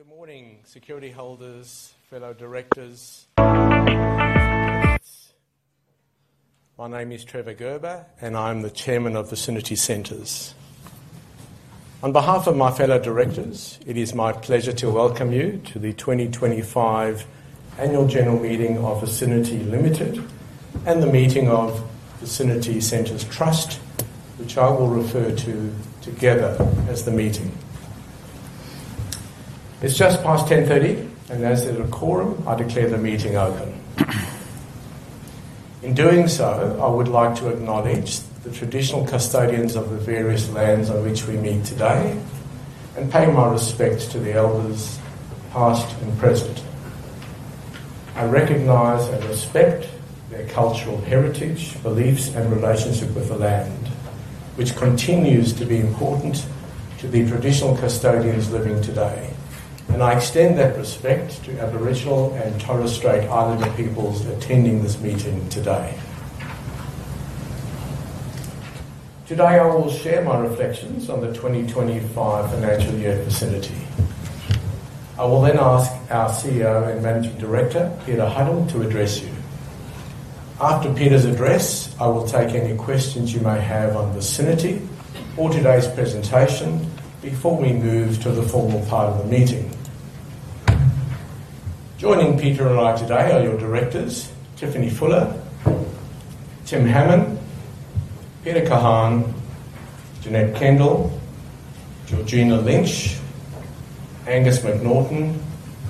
Good morning, security holders, fellow directors. My name is Trevor Gerber, and I'm the Chairman of Vicinity Centres. On behalf of my fellow directors, it is my pleasure to welcome you to the 2025 Annual General Meeting of Vicinity Limited and the meeting of Vicinity Centres Trust, which I will refer to together as the meeting. It's just past 10:30 A.M., and as a decorum, I declare the meeting open. In doing so, I would like to acknowledge the traditional custodians of the various lands on which we meet today and pay my respects to the elders of past and present. I recognize and respect their cultural heritage, beliefs, and relationship with the land, which continues to be important to the traditional custodians living today, and I extend that respect to Aboriginal and Torres Strait Islander peoples attending this meeting today. Today, I will share my reflections on the 2025 financial year of Vicinity. I will then ask our CEO and Managing Director, Peter Huddle, to address you. After Peter's address, I will take any questions you may have on Vicinity or today's presentation before we move to the formal part of the meeting. Joining Peter and me today are your directors, Tiffany Fuller, Tim Hammon, Peter Kahan, Janette Kendall, Georgina Lynch, Angus McNaughton,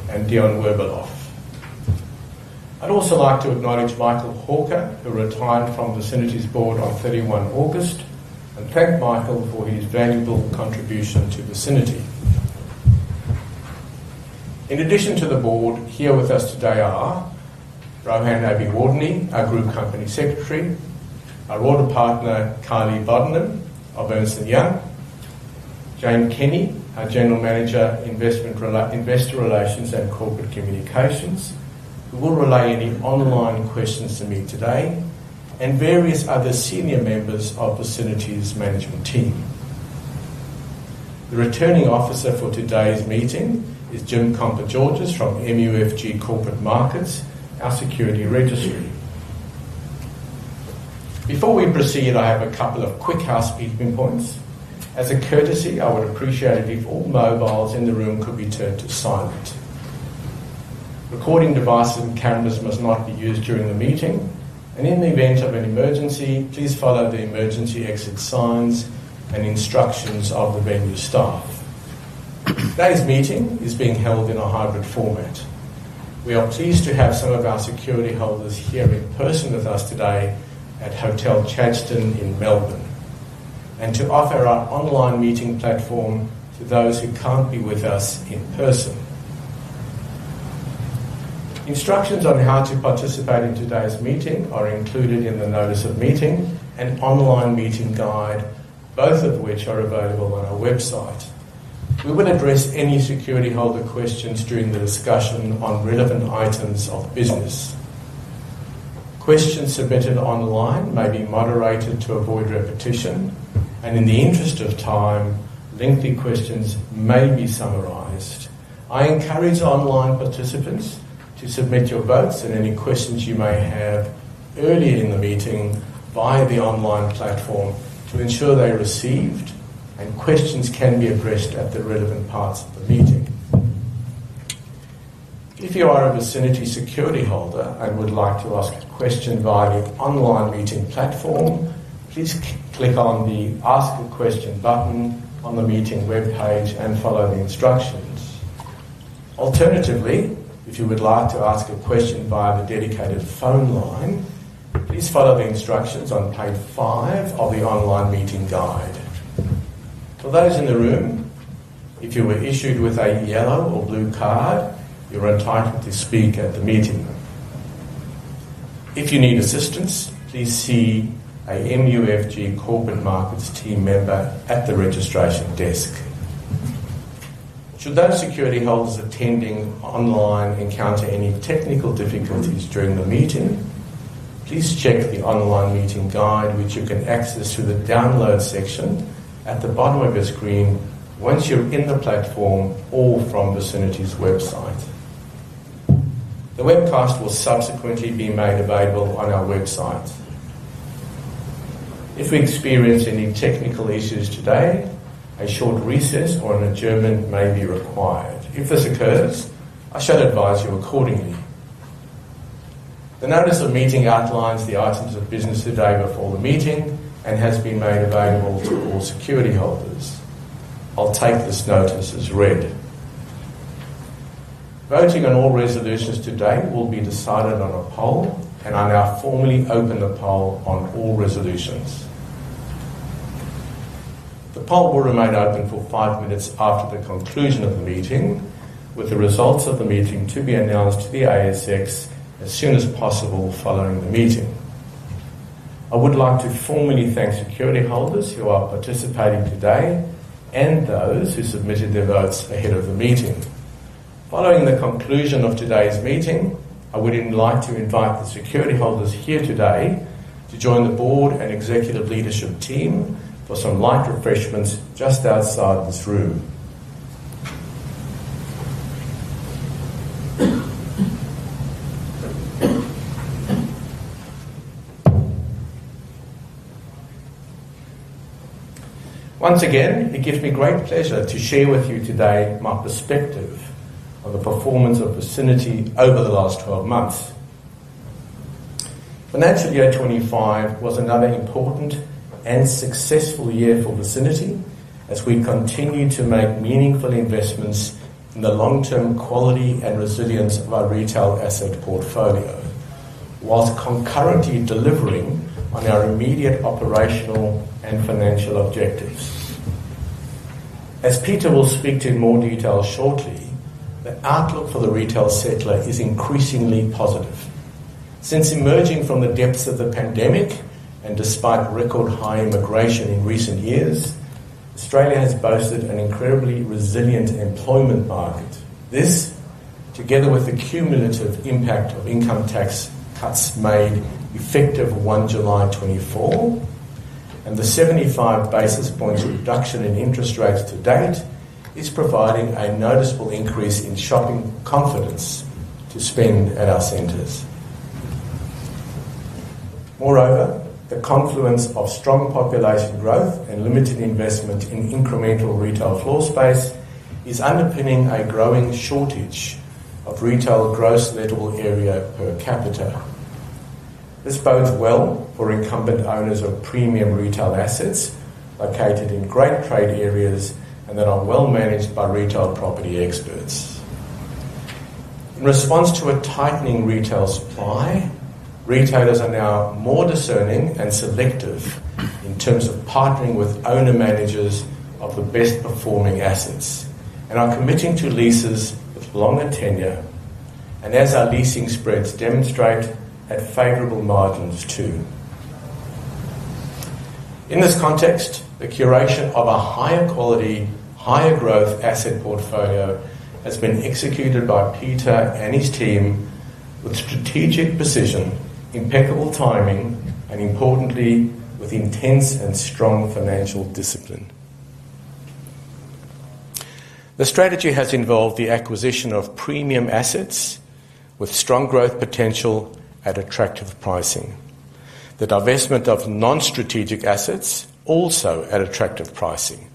and Dion Werbeloff. I'd also like to acknowledge Michael Hawker, who retired from Vicinity's board on 31 August, and thank Michael for his valuable contribution to Vicinity. In addition to the board, here with us today are Rohan Abeyewardene, our Group Company Secretary, our auditor partner, Kylie Bottomley, our Ernst & Young. Jane Kenny, our General Manager, Investor Relations and Corporate Communications, who will relay any online questions to me today, and various other senior members of Vicinity's management team. The Returning Officer for today's meeting is Jim Kompogiorgas from MUFG Corporate Markets, our security registry. Before we proceed, I have a couple of quick housekeeping points. As a courtesy, I would appreciate it if all mobiles in the room could be turned to silent. Recording devices and cameras must not be used during the meeting, and in the event of an emergency, please follow the emergency exit signs and instructions of the venue staff. Today's meeting is being held in a hybrid format. We are pleased to have some of our security holders here in person with us today at Hotel Chadstone in Melbourne and to offer our online meeting platform to those who can't be with us in person. Instructions on how to participate in today's meeting are included in the notice of meeting and online meeting guide, both of which are available on our website. We would address any security holder questions during the discussion on relevant items of business. Questions submitted online may be moderated to avoid repetition, and in the interest of time, lengthy questions may be summarized. I encourage online participants to submit your votes and any questions you may have earlier in the meeting via the online platform to ensure they are received, and questions can be addressed at the relevant parts of the meeting. If you are a Vicinity security holder and would like to ask a question via the online meeting platform, please click on the Ask a Question button on the meeting web page and follow the instructions. Alternatively, if you would like to ask a question via the dedicated phone line, please follow the instructions on page five of the online meeting guide. For those in the room, if you were issued with a yellow or blue card, you are entitled to speak at the meeting. If you need assistance, please see a MUFG Corporate Markets team member at the registration desk. Should those security holders attending online encounter any technical difficulties during the meeting, please check the online meeting guide, which you can access through the download section at the bottom of your screen once you are in the platform or from Vicinity's website. The webcast will subsequently be made available on our website. If we experience any technical issues today, a short recess or an adjournment may be required. If this occurs, I shall advise you accordingly. The notice of meeting outlines the items of business today before the meeting and has been made available to all security holders. I'll take this notice as read. Voting on all resolutions today will be decided on a poll, and I now formally open the poll on all resolutions. The poll will remain open for five minutes after the conclusion of the meeting, with the results of the meeting to be announced to the ASX as soon as possible following the meeting. I would like to formally thank security holders who are participating today and those who submitted their votes ahead of the meeting. Following the conclusion of today's meeting, I would like to invite the security holders here today to join the board and executive leadership team for some light refreshments just outside this room. Once again, it gives me great pleasure to share with you today my perspective on the performance of Vicinity over the last 12 months. Financial Year 2025 was another important and successful year for Vicinity as we continue to make meaningful investments in the long-term quality and resilience of our retail asset portfolio whilst concurrently delivering on our immediate operational and financial objectives. As Peter will speak to in more detail shortly, the outlook for the retail sector is increasingly positive. Since emerging from the depths of the pandemic and despite record high immigration in recent years, Australia has boasted an incredibly resilient employment market. This, together with the cumulative impact of income tax cuts made effective 1 July 2024 and the 75 basis points reduction in interest rates to date, is providing a noticeable increase in shopping confidence to spend at our centres. Moreover, the confluence of strong population growth and limited investment in incremental retail floor space is underpinning a growing shortage of retail gross lettable area per capita. This bodes well for incumbent owners of premium retail assets located in great trade areas and that are well managed by retail property experts. In response to a tightening retail supply, retailers are now more discerning and selective in terms of partnering with owner-managers of the best performing assets and are committing to leases with longer tenure, and as our leasing spreads demonstrate at favorable margins too. In this context, the curation of a higher quality, higher growth asset portfolio has been executed by Peter and his team with strategic precision, impeccable timing, and importantly, with intense and strong financial discipline. The strategy has involved the acquisition of premium assets with strong growth potential at attractive pricing, the divestment of non-strategic assets also at attractive pricing,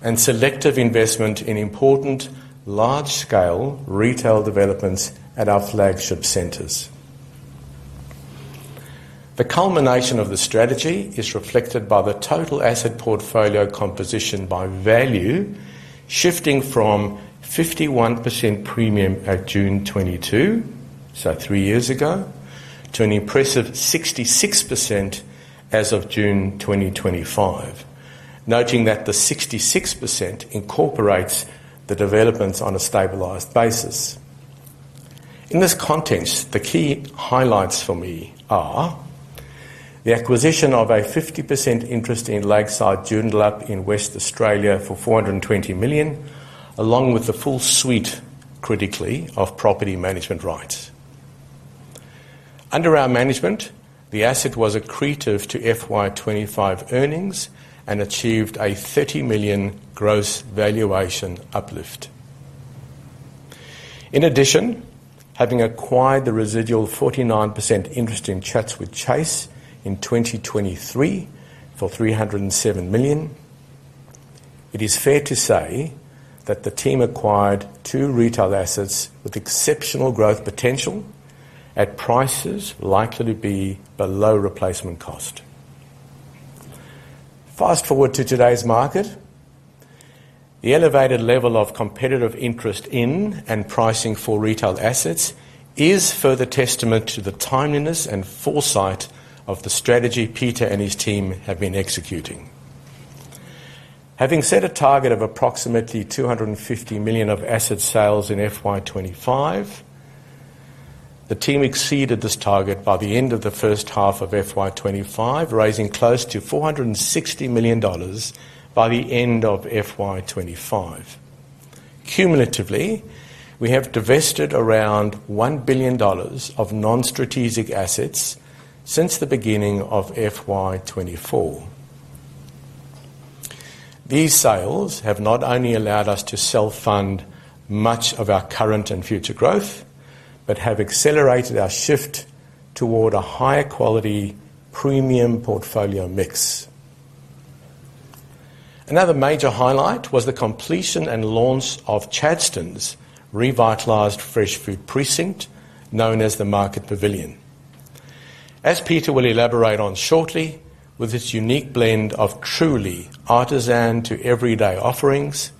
and selective investment in important, large-scale retail developments at our flagship centres. The culmination of the strategy is reflected by the total asset portfolio composition by value, shifting from 51% premium at June 2022, so three years ago, to an impressive 66% as of June 2025. Noting that the 66% incorporates the developments on a stabilised basis. In this context, the key highlights for me are the acquisition of a 50% interest in Lakeside Joondalup in Western Australia for 420 million, along with the full suite, critically, of property management rights. Under our management, the asset was accretive to FY 2025 earnings and achieved a 30 million gross valuation uplift. In addition, having acquired the residual 49% interest in Chatswood Chase in 2023 for 307 million, it is fair to say that the team acquired two retail assets with exceptional growth potential at prices likely to be below replacement cost. Fast forward to today's market. The elevated level of competitive interest in and pricing for retail assets is further testament to the timeliness and foresight of the strategy Peter and his team have been executing. Having set a target of approximately 250 million of asset sales in FY 2025, the team exceeded this target by the end of the first half of FY 2025, raising close to 460 million dollars. By the end of FY 2025, cumulatively, we have divested around 1 billion dollars of non-strategic assets since the beginning of FY 2024. These sales have not only allowed us to self-fund much of our current and future growth but have accelerated our shift toward a higher quality premium portfolio mix. Another major highlight was the completion and launch of Chadstone's revitalized fresh food precinct known as the Market Pavilion. As Peter will elaborate on shortly, with its unique blend of truly artisan to everyday offerings,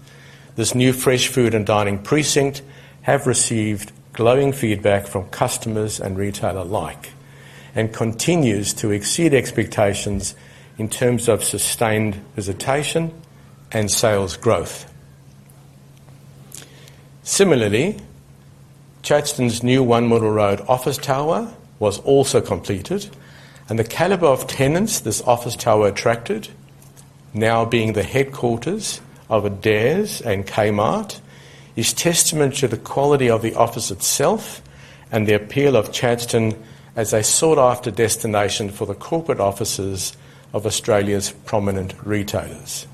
this new fresh food and dining precinct has received glowing feedback from customers and retail alike and continues to exceed expectations in terms of sustained visitation and sales growth. Similarly, Chadstone's new One Middle Road office tower was also completed, and the caliber of tenants this office tower attracted, now being the headquarters of Adairs and Kmart, is testament to the quality of the office itself and the appeal of Chadstone as a sought-after destination for the corporate offices of Australia's prominent retailers.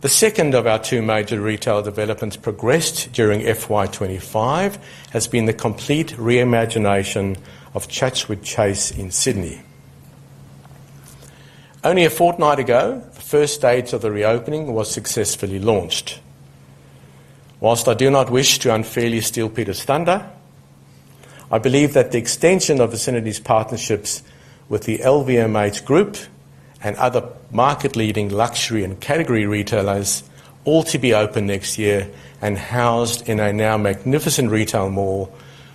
The second of our two major retail developments progressed during FY 2025 has been the complete reimagination of Chatswood Chase in Sydney. Only a fortnight ago, the first stage of the reopening was successfully launched. Whilst I do not wish to unfairly steal Peter's thunder, I believe that the extension of Vicinity's partnerships with the LVMH Group and other market-leading luxury and category retailers, all to be open next year and housed in a now magnificent retail mall,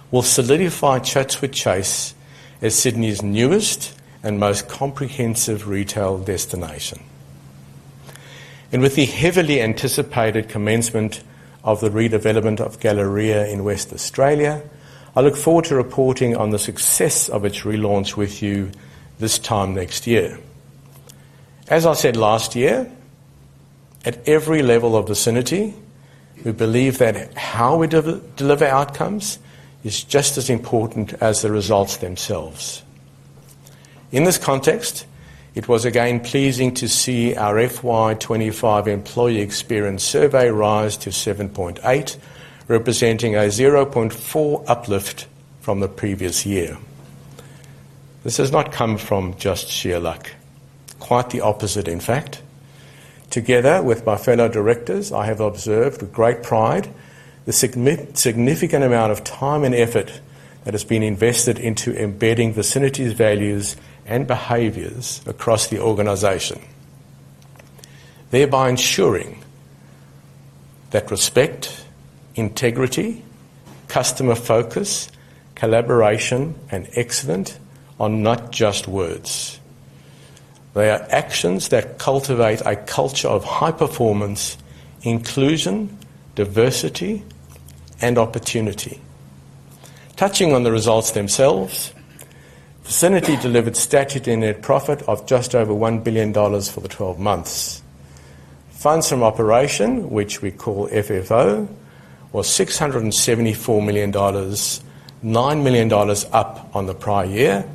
will solidify Chatswood Chase as Sydney's newest and most comprehensive retail destination. With the heavily anticipated commencement of the redevelopment of Galleria in Western Australia, I look forward to reporting on the success of its relaunch with you this time next year. As I said last year, at every level of Vicinity, we believe that how we deliver outcomes is just as important as the results themselves. In this context, it was again pleasing to see our FY 2025 employee experience survey rise to 7.8, representing a 0.4 uplift from the previous year. This has not come from just sheer luck. Quite the opposite, in fact. Together with my fellow directors, I have observed with great pride the significant amount of time and effort that has been invested into embedding Vicinity's values and behaviors across the organization, thereby ensuring that respect, integrity, customer focus, collaboration, and excellence are not just words. They are actions that cultivate a culture of high performance, inclusion, diversity, and opportunity. Touching on the results themselves, Vicinity delivered stated net profit of just over 1 billion dollars for the 12 months. Funds from operation, which we call FFO, was 674 million dollars. 9 million dollars up on the prior year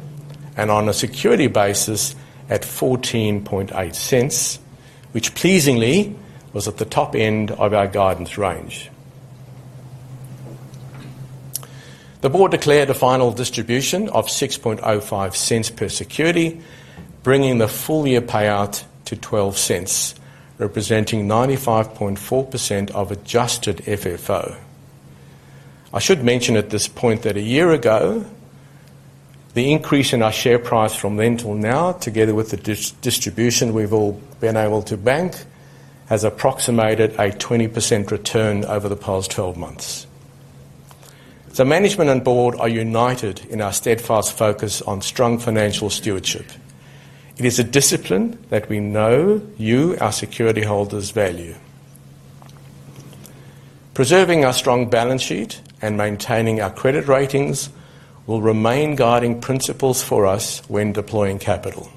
and on a security basis at 14.8, which pleasingly was at the top end of our guidance range. The board declared a final distribution of 6.05 per security, bringing the full year payout to 0.12, representing 95.4% of adjusted FFO. I should mention at this point that a year ago. The increase in our share price from then till now, together with the distribution we've all been able to bank, has approximated a 20% return over the past 12 months. The management and board are united in our steadfast focus on strong financial stewardship. It is a discipline that we know you, our security holders, value. Preserving our strong balance sheet and maintaining our credit ratings will remain guiding principles for us when deploying capital.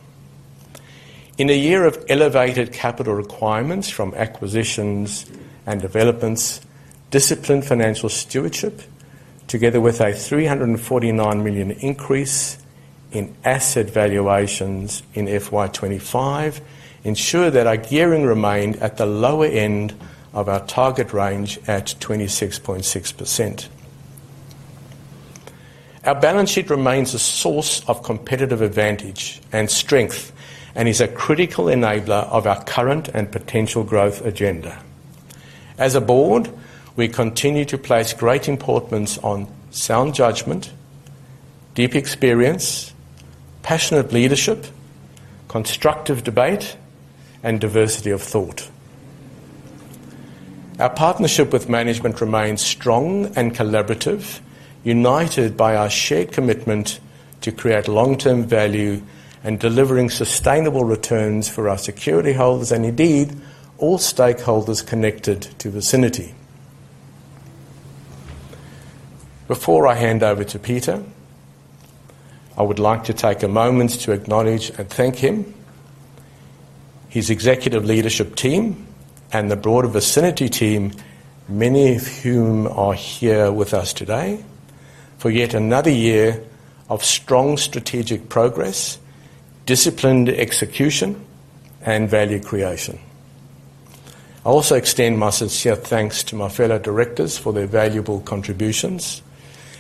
In a year of elevated capital requirements from acquisitions and developments, disciplined financial stewardship, together with a 349 million increase in asset valuations in FY 2025, ensured that our gearing remained at the lower end of our target range at 26.6%. Our balance sheet remains a source of competitive advantage and strength and is a critical enabler of our current and potential growth agenda. As a board, we continue to place great importance on sound judgment, deep experience, passionate leadership, constructive debate, and diversity of thought. Our partnership with management remains strong and collaborative, united by our shared commitment to create long-term value and delivering sustainable returns for our security holders and indeed all stakeholders connected to Vicinity. Before I hand over to Peter, I would like to take a moment to acknowledge and thank him. His executive leadership team, and the broader Vicinity team, many of whom are here with us today, for yet another year of strong strategic progress. Disciplined execution, and value creation. I also extend my sincere thanks to my fellow directors for their valuable contributions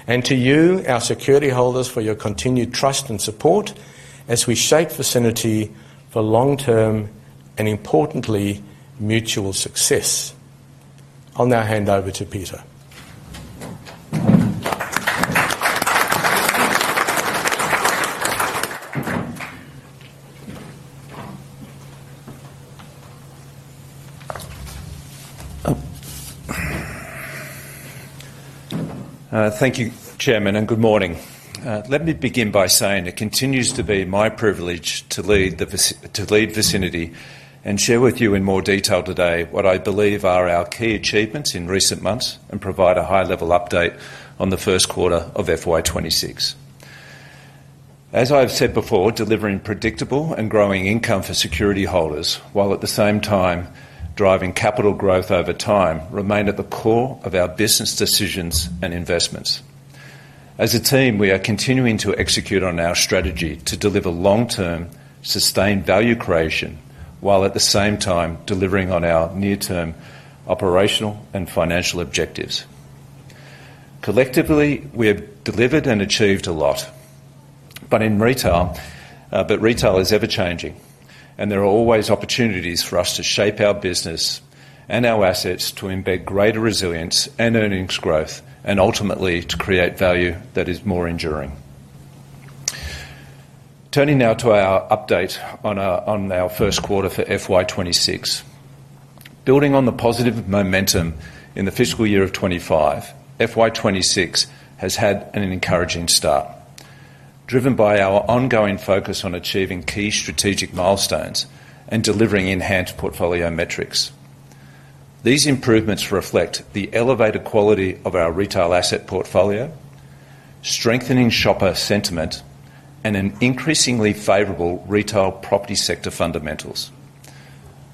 and to you, our security holders, for your continued trust and support as we shape Vicinity for long-term and, importantly, mutual success. I'll now hand over to Peter. Thank you, Chairman, and good morning. Let me begin by saying it continues to be my privilege to lead Vicinity and share with you in more detail today what I believe are our key achievements in recent months and provide a high-level update on the first quarter of FY 2026. As I have said before, delivering predictable and growing income for security holders while at the same time driving capital growth over time remained at the core of our business decisions and investments. As a team, we are continuing to execute on our strategy to deliver long-term sustained value creation while at the same time delivering on our near-term operational and financial objectives. Collectively, we have delivered and achieved a lot, but in retail, retail is ever-changing, and there are always opportunities for us to shape our business and our assets to embed greater resilience and earnings growth and ultimately to create value that is more enduring. Turning now to our update on our first quarter for fiscal year 2026. Building on the positive momentum in the fiscal year of 2025, fiscal year 2026 has had an encouraging start. Driven by our ongoing focus on achieving key strategic milestones and delivering enhanced portfolio metrics. These improvements reflect the elevated quality of our retail asset portfolio, strengthening shopper sentiment, and increasingly favorable retail property sector fundamentals.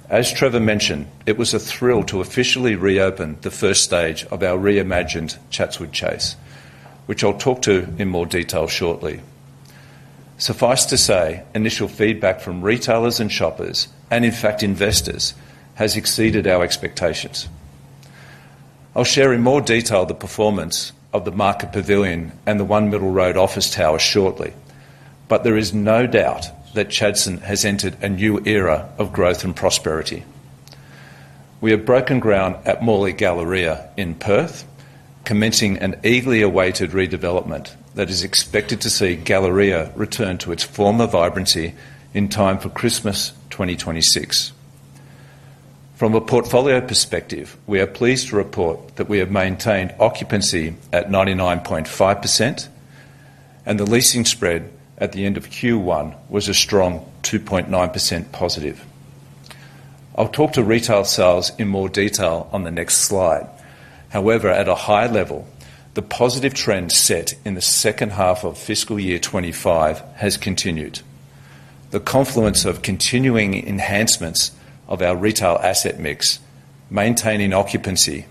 As Trevor mentioned, it was a thrill to officially reopen the first stage of our reimagined Chatswood Chase, which I'll talk to in more detail shortly. Suffice to say, initial feedback from retailers and shoppers, and in fact investors, has exceeded our expectations. I'll share in more detail the performance of the Market Pavilion and the One Middle Road office tower shortly, but there is no doubt that Chadstone has entered a new era of growth and prosperity. We have broken ground at Morley Galleria in Perth, commencing an eagerly awaited redevelopment that is expected to see Galleria return to its former vibrancy in time for Christmas 2026. From a portfolio perspective, we are pleased to report that we have maintained occupancy at 99.5%. The leasing spread at the end of Q1 was a strong +2.9%. I'll talk to retail sales in more detail on the next slide. However, at a high level, the positive trend set in the second half of fiscal year 2025 has continued. The confluence of continuing enhancements of our retail asset mix, maintaining occupancy,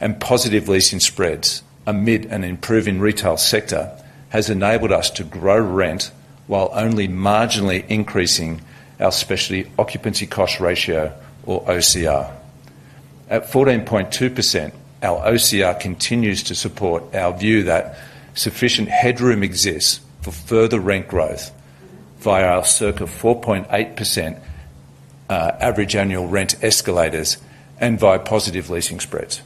and positive leasing spreads amid an improving retail sector has enabled us to grow rent while only marginally increasing our specialty occupancy cost ratio, or OCR. At 14.2%, our OCR continues to support our view that sufficient headroom exists for further rent growth via our circa 4.8% average annual rent escalators and via positive leasing spreads.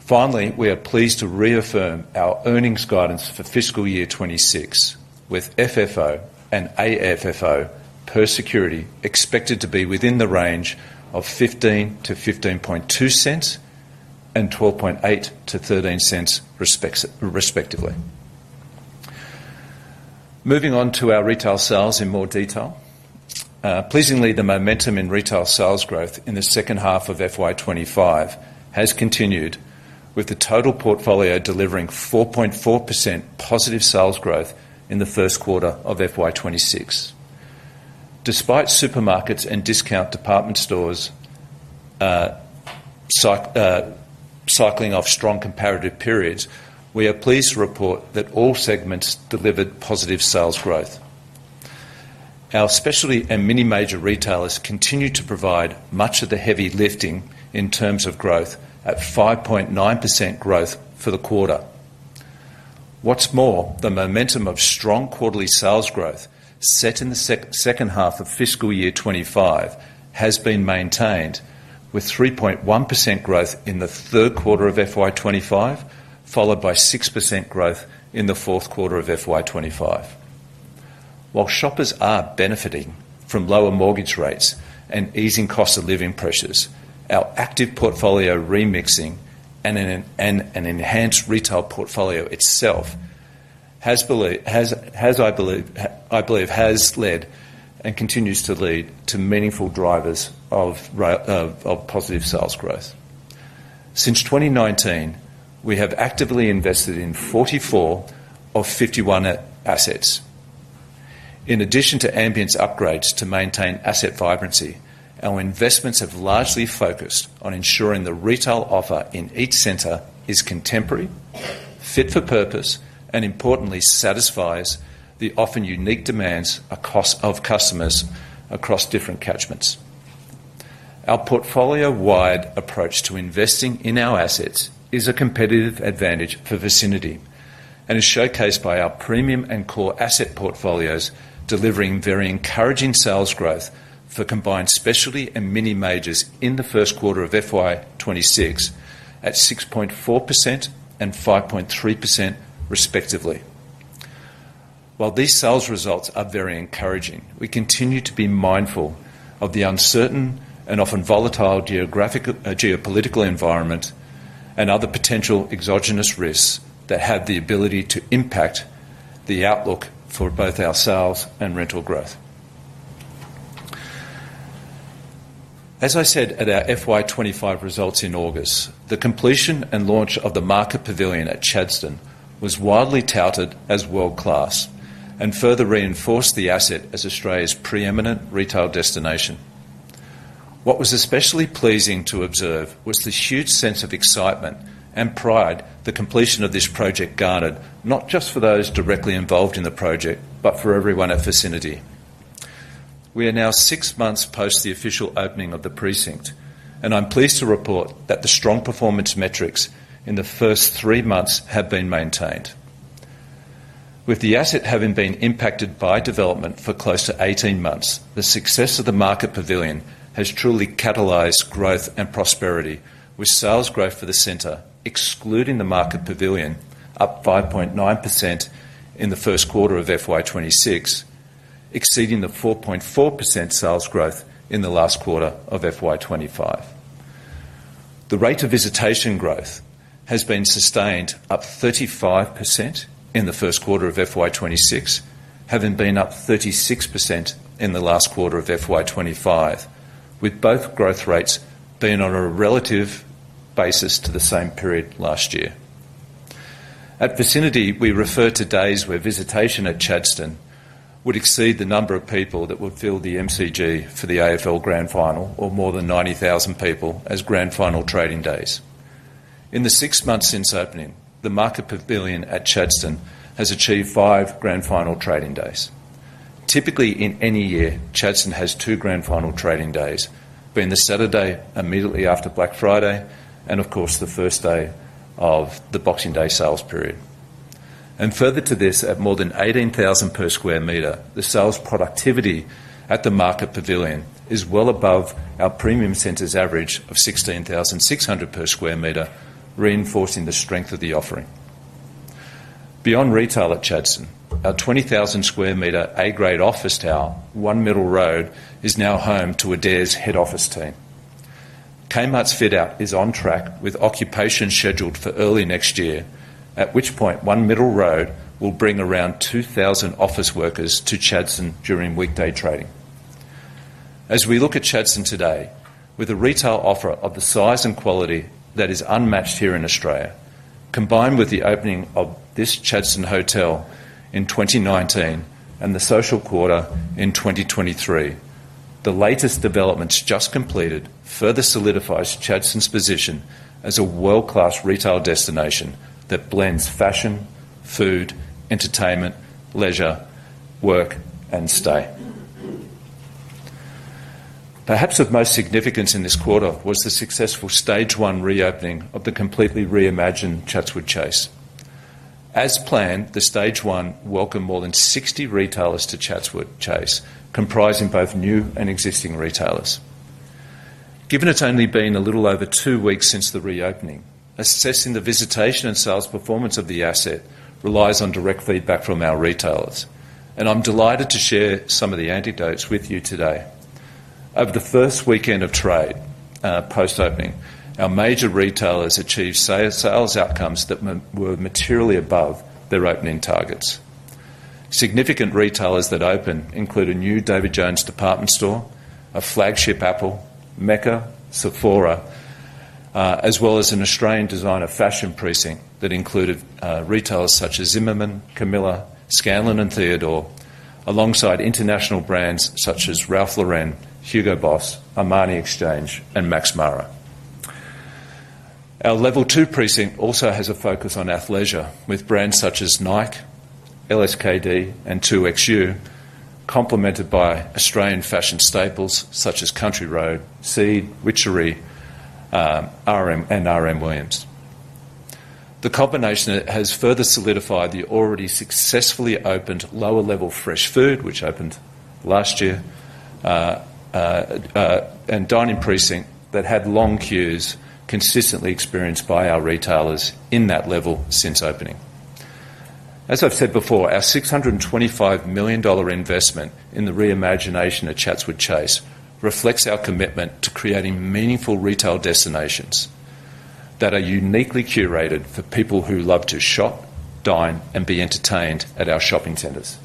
Finally, we are pleased to reaffirm our earnings guidance for fiscal year 2026, with FFO and AFFO per security expected to be within the range of 0.15-0.152 and 0.128-0.13 respectively. Moving on to our retail sales in more detail. Pleasingly, the momentum in retail sales growth in the second half of FY 2025 has continued, with the total portfolio delivering +4.4% sales growth in the first quarter of FY 2026. Despite supermarkets and discount department stores cycling off strong comparative periods, we are pleased to report that all segments delivered positive sales growth. Our specialty and mini-major retailers continue to provide much of the heavy lifting in terms of growth at 5.9% growth for the quarter. What's more, the momentum of strong quarterly sales growth set in the second half of fiscal year 2025 has been maintained, with 3.1% growth in the third quarter of FY 2025, followed by 6% growth in the fourth quarter of FY 2025. While shoppers are benefiting from lower mortgage rates and easing cost-of-living pressures, our active portfolio remixing and an enhanced retail portfolio itself has, I believe, led and continues to lead to meaningful drivers of positive sales growth. Since 2019, we have actively invested in 44 of 51 assets. In addition to ambient upgrades to maintain asset vibrancy, our investments have largely focused on ensuring the retail offer in each centre is contemporary, fit for purpose, and importantly, satisfies the often unique demands of customers across different catchments. Our portfolio-wide approach to investing in our assets is a competitive advantage for Vicinity and is showcased by our premium and core asset portfolios, delivering very encouraging sales growth for combined specialty and mini-majors in the first quarter of FY 2026 at 6.4% and 5.3% respectively. While these sales results are very encouraging, we continue to be mindful of the uncertain and often volatile geopolitical environment and other potential exogenous risks that have the ability to impact the outlook for both our sales and rental growth. As I said at our FY 2025 results in August, the completion and launch of the Market Pavilion at Chadstone was widely touted as world-class and further reinforced the asset as Australia's preeminent retail destination. What was especially pleasing to observe was the huge sense of excitement and pride the completion of this project garnered, not just for those directly involved in the project, but for everyone at Vicinity. We are now six months post the official opening of the precinct, and I'm pleased to report that the strong performance metrics in the first three months have been maintained. With the asset having been impacted by development for close to 18 months, the success of the Market Pavilion has truly catalyzed growth and prosperity, with sales growth for the centre, excluding the Market Pavilion, up 5.9% in the first quarter of FY 2026. Exceeding the 4.4% sales growth in the last quarter of FY 2025. The rate of visitation growth has been sustained, up 35% in the first quarter of FY 2026, having been up 36% in the last quarter of FY 2025, with both growth rates being on a relative basis to the same period last year. At Vicinity, we refer to days where visitation at Chadstone would exceed the number of people that would fill the MCG for the AFL Grand Final, or more than 90,000 people, as grand final trading days. In the six months since opening, the Market Pavilion at Chadstone has achieved five grand final trading days. Typically, in any year, Chadstone has two grand final trading days, being the Saturday immediately after Black Friday and, of course, the first day of the Boxing Day sales period. Further to this, at more than 18,000 per sq m, the sales productivity at the Market Pavilion is well above our premium centres' average of 16,600 per sq m, reinforcing the strength of the offering. Beyond retail at Chadstone, our 20,000 sq m A-grade office tower, One Middle Road, is now home to Adairs' head office team. Kmart's fit-out is on track, with occupation scheduled for early next year, at which point One Middle Road will bring around 2,000 office workers to Chadstone during weekday trading. As we look at Chadstone today, with a retail offer of the size and quality that is unmatched here in Australia, combined with the opening of this Chadstone hotel in 2019 and the Social Quarter in 2023, the latest developments just completed further solidify Chadstone's position as a world-class retail destination that blends fashion, food, entertainment, leisure, work, and stay. Perhaps of most significance in this quarter was the successful stage one reopening of the completely reimagined Chadstone Chase. As planned, the stage one welcomed more than 60 retailers to Chadstone Chase, comprising both new and existing retailers. Given it's only been a little over two weeks since the reopening, assessing the visitation and sales performance of the asset relies on direct feedback from our retailers, and I'm delighted to share some of the anecdotes with you today. Over the first weekend of trade post-opening, our major retailers achieved sales outcomes that were materially above their opening targets. Significant retailers that opened include a new David Jones department store, a flagship Apple, Mecca, Sephora. As well as an Australian designer fashion precinct that included retailers such as Zimmerman, Camilla, Scanlan, and Theodore, alongside international brands such as Ralph Lauren, Hugo Boss, Armani Exchange, and Max Mara. Our level two precinct also has a focus on athleisure, with brands such as Nike, LSKD, and 2XU, complemented by Australian fashion staples such as Country Road, Seed, Richey, and RM Williams. The combination has further solidified the already successfully opened lower-level Fresh Food, which opened last year, and Dining Precinct that had long queues consistently experienced by our retailers in that level since opening. As I've said before, our 625 million dollar investment in the reimagination of Chadstone Chase reflects our commitment to creating meaningful retail destinations that are uniquely curated for people who love to shop, dine, and be entertained at our shopping centres.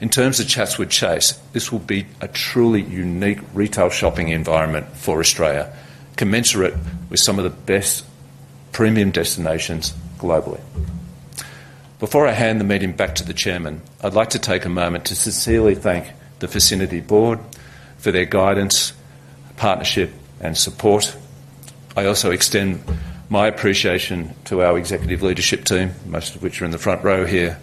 In terms of Chadstone Chase, this will be a truly unique retail shopping environment for Australia, commensurate with some of the best premium destinations globally. Before I hand the meeting back to the Chairman, I'd like to take a moment to sincerely thank the Vicinity Board for their guidance, partnership, and support. I also extend my appreciation to our executive leadership team, most of which are in the front row here,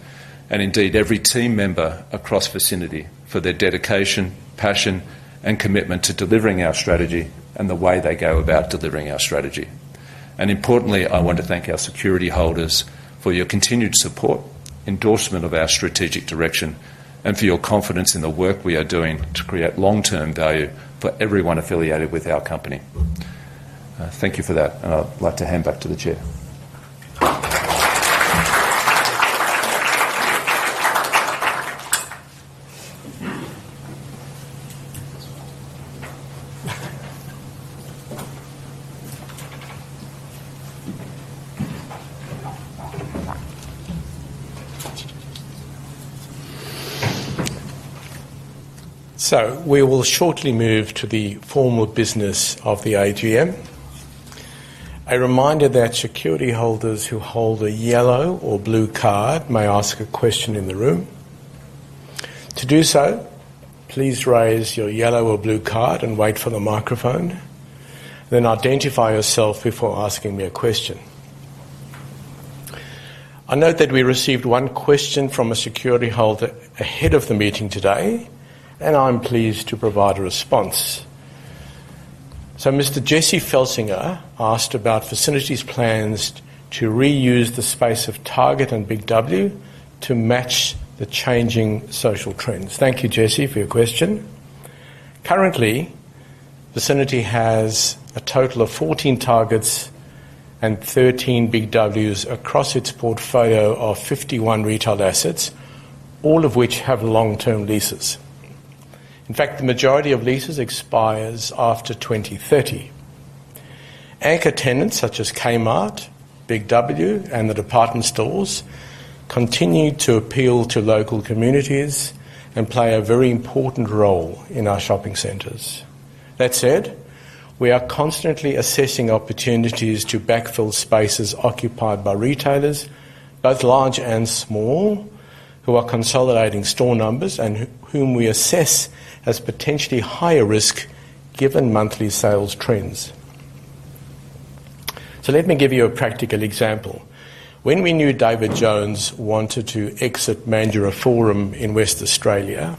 and indeed every team member across Vicinity for their dedication, passion, and commitment to delivering our strategy and the way they go about delivering our strategy. Importantly, I want to thank our security holders for your continued support, endorsement of our strategic direction, and for your confidence in the work we are doing to create long-term value for everyone affiliated with our company. Thank you for that, and I'd like to hand back to the Chair. We will shortly move to the formal business of the AGM. A reminder that security holders who hold a yellow or blue card may ask a question in the room. To do so, please raise your yellow or blue card and wait for the microphone. Then identify yourself before asking me a question. I note that we received one question from a security holder ahead of the meeting today, and I'm pleased to provide a response. Mr. Jesse Felsinger asked about Vicinity's plans to reuse the space of Target and Big W to match the changing social trends. Thank you, Jesse, for your question. Currently, Vicinity has a total of 14 Targets and 13 Big Ws across its portfolio of 51 retail assets, all of which have long-term leases. In fact, the majority of leases expires after 2030. Anchor tenants such as Kmart, Big W, and the department stores continue to appeal to local communities and play a very important role in our shopping centres. That said, we are constantly assessing opportunities to backfill spaces occupied by retailers, both large and small, who are consolidating store numbers and whom we assess as potentially higher risk given monthly sales trends. Let me give you a practical example. When we knew David Jones wanted to exit Mandurah Forum in Western Australia,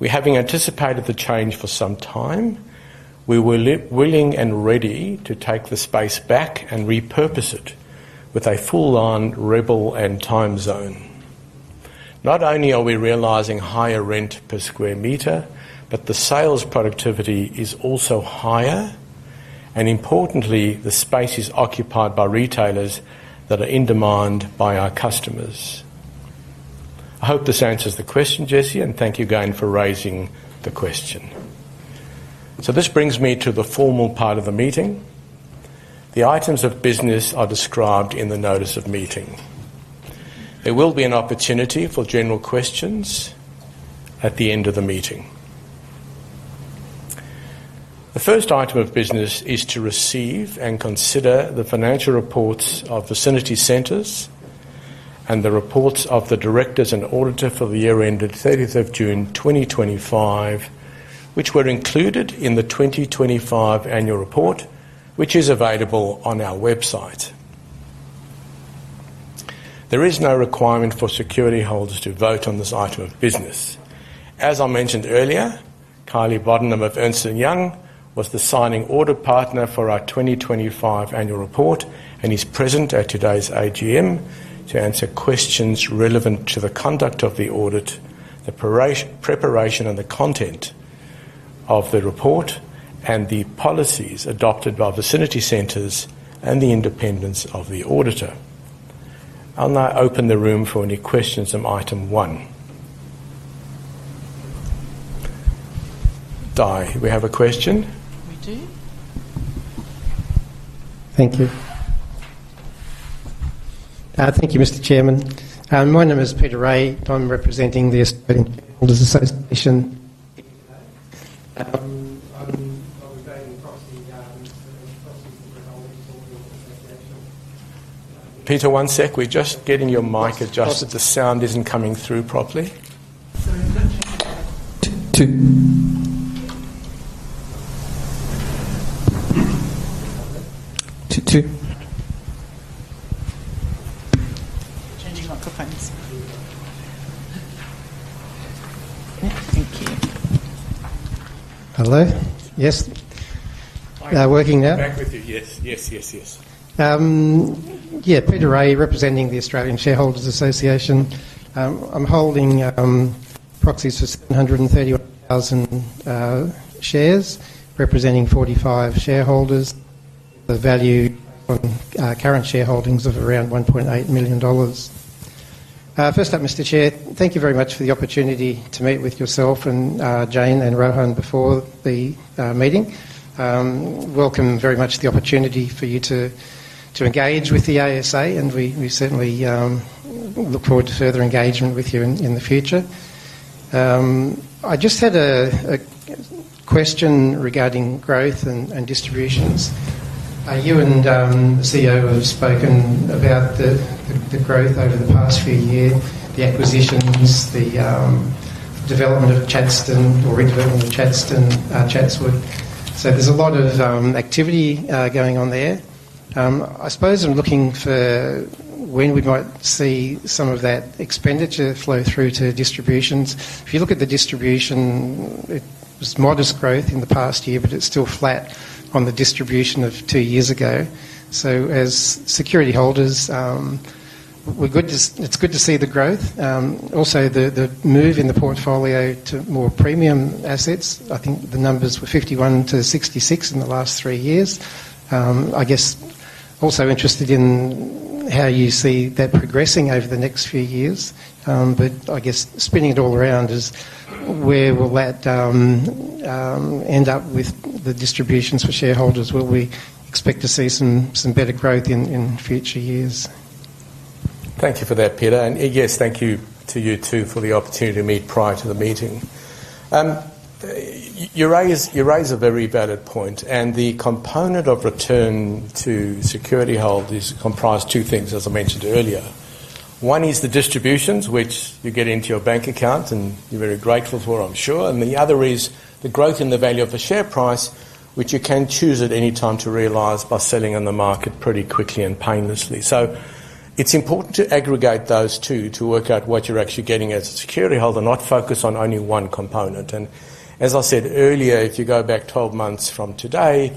we, having anticipated the change for some time, were willing and ready to take the space back and repurpose it with a full-on Rebel and Timezone. Not only are we realizing higher rent per square metre, but the sales productivity is also higher, and importantly, the space is occupied by retailers that are in demand by our customers. I hope this answers the question, Jesse, and thank you again for raising the question. This brings me to the formal part of the meeting. The items of business are described in the notice of meeting. There will be an opportunity for general questions at the end of the meeting. The first item of business is to receive and consider the financial reports of Vicinity Centres and the reports of the directors and auditor for the year ended 30th of June 2025, which were included in the 2025 annual report, which is available on our website. There is no requirement for security holders to vote on this item of business. As I mentioned earlier, Kylie Bottomley of Ernst & Young was the signing audit partner for our 2025 annual report, and he's present at today's AGM to answer questions relevant to the conduct of the audit, the preparation and the content of the report, and the policies adopted by Vicinity Centres and the independence of the auditor. I'll now open the room for any questions on item one. Di, we have a question. We do. Thank you. Thank you, Mr. Chairman. My name is Peter Rae. I'm representing the Australian Shareholders Association. I'm obligated in proxy to the Australian Shareholders Association. Peter, one sec. We're just getting your mic adjusted. The sound isn't coming through properly. Changing microphones. Thank you. Hello? Yes. Are they working now? Back with you. Yes. Yes. Yes. Yes. Yeah. Peter Rae representing the Australian Shareholders Association. I'm holding proxies for 731,000 shares, representing 45 shareholders. The value on current shareholdings of around 1.8 million dollars. First up, Mr. Chair, thank you very much for the opportunity to meet with yourself and Jane and Rohan before the meeting. Welcome very much the opportunity for you to engage with the ASA, and we certainly look forward to further engagement with you in the future. I just had a question regarding growth and distributions. You and the CEO have spoken about the growth over the past few years, the acquisitions, the development of Chadstone, or redevelopment of Chadstone, Chatswood. There is a lot of activity going on there. I suppose I am looking for when we might see some of that expenditure flow through to distributions. If you look at the distribution, it was modest growth in the past year, but it is still flat on the distribution of two years ago. As security holders. It's good to see the growth. Also, the move in the portfolio to more premium assets, I think the numbers were 51-66 in the last three years. I guess also interested in how you see that progressing over the next few years. I guess spinning it all around is where will that end up with the distributions for shareholders? Will we expect to see some better growth in future years? Thank you for that, Peter. Yes, thank you to you too for the opportunity to meet prior to the meeting. You raise a very valid point, and the component of return to security holders is comprised of two things, as I mentioned earlier. One is the distributions, which you get into your bank account, and you're very grateful for, I'm sure. The other is the growth in the value of the share price, which you can choose at any time to realize by selling in the market pretty quickly and painlessly. It is important to aggregate those two to work out what you are actually getting as a security holder, not focus on only one component. As I said earlier, if you go back 12 months from today,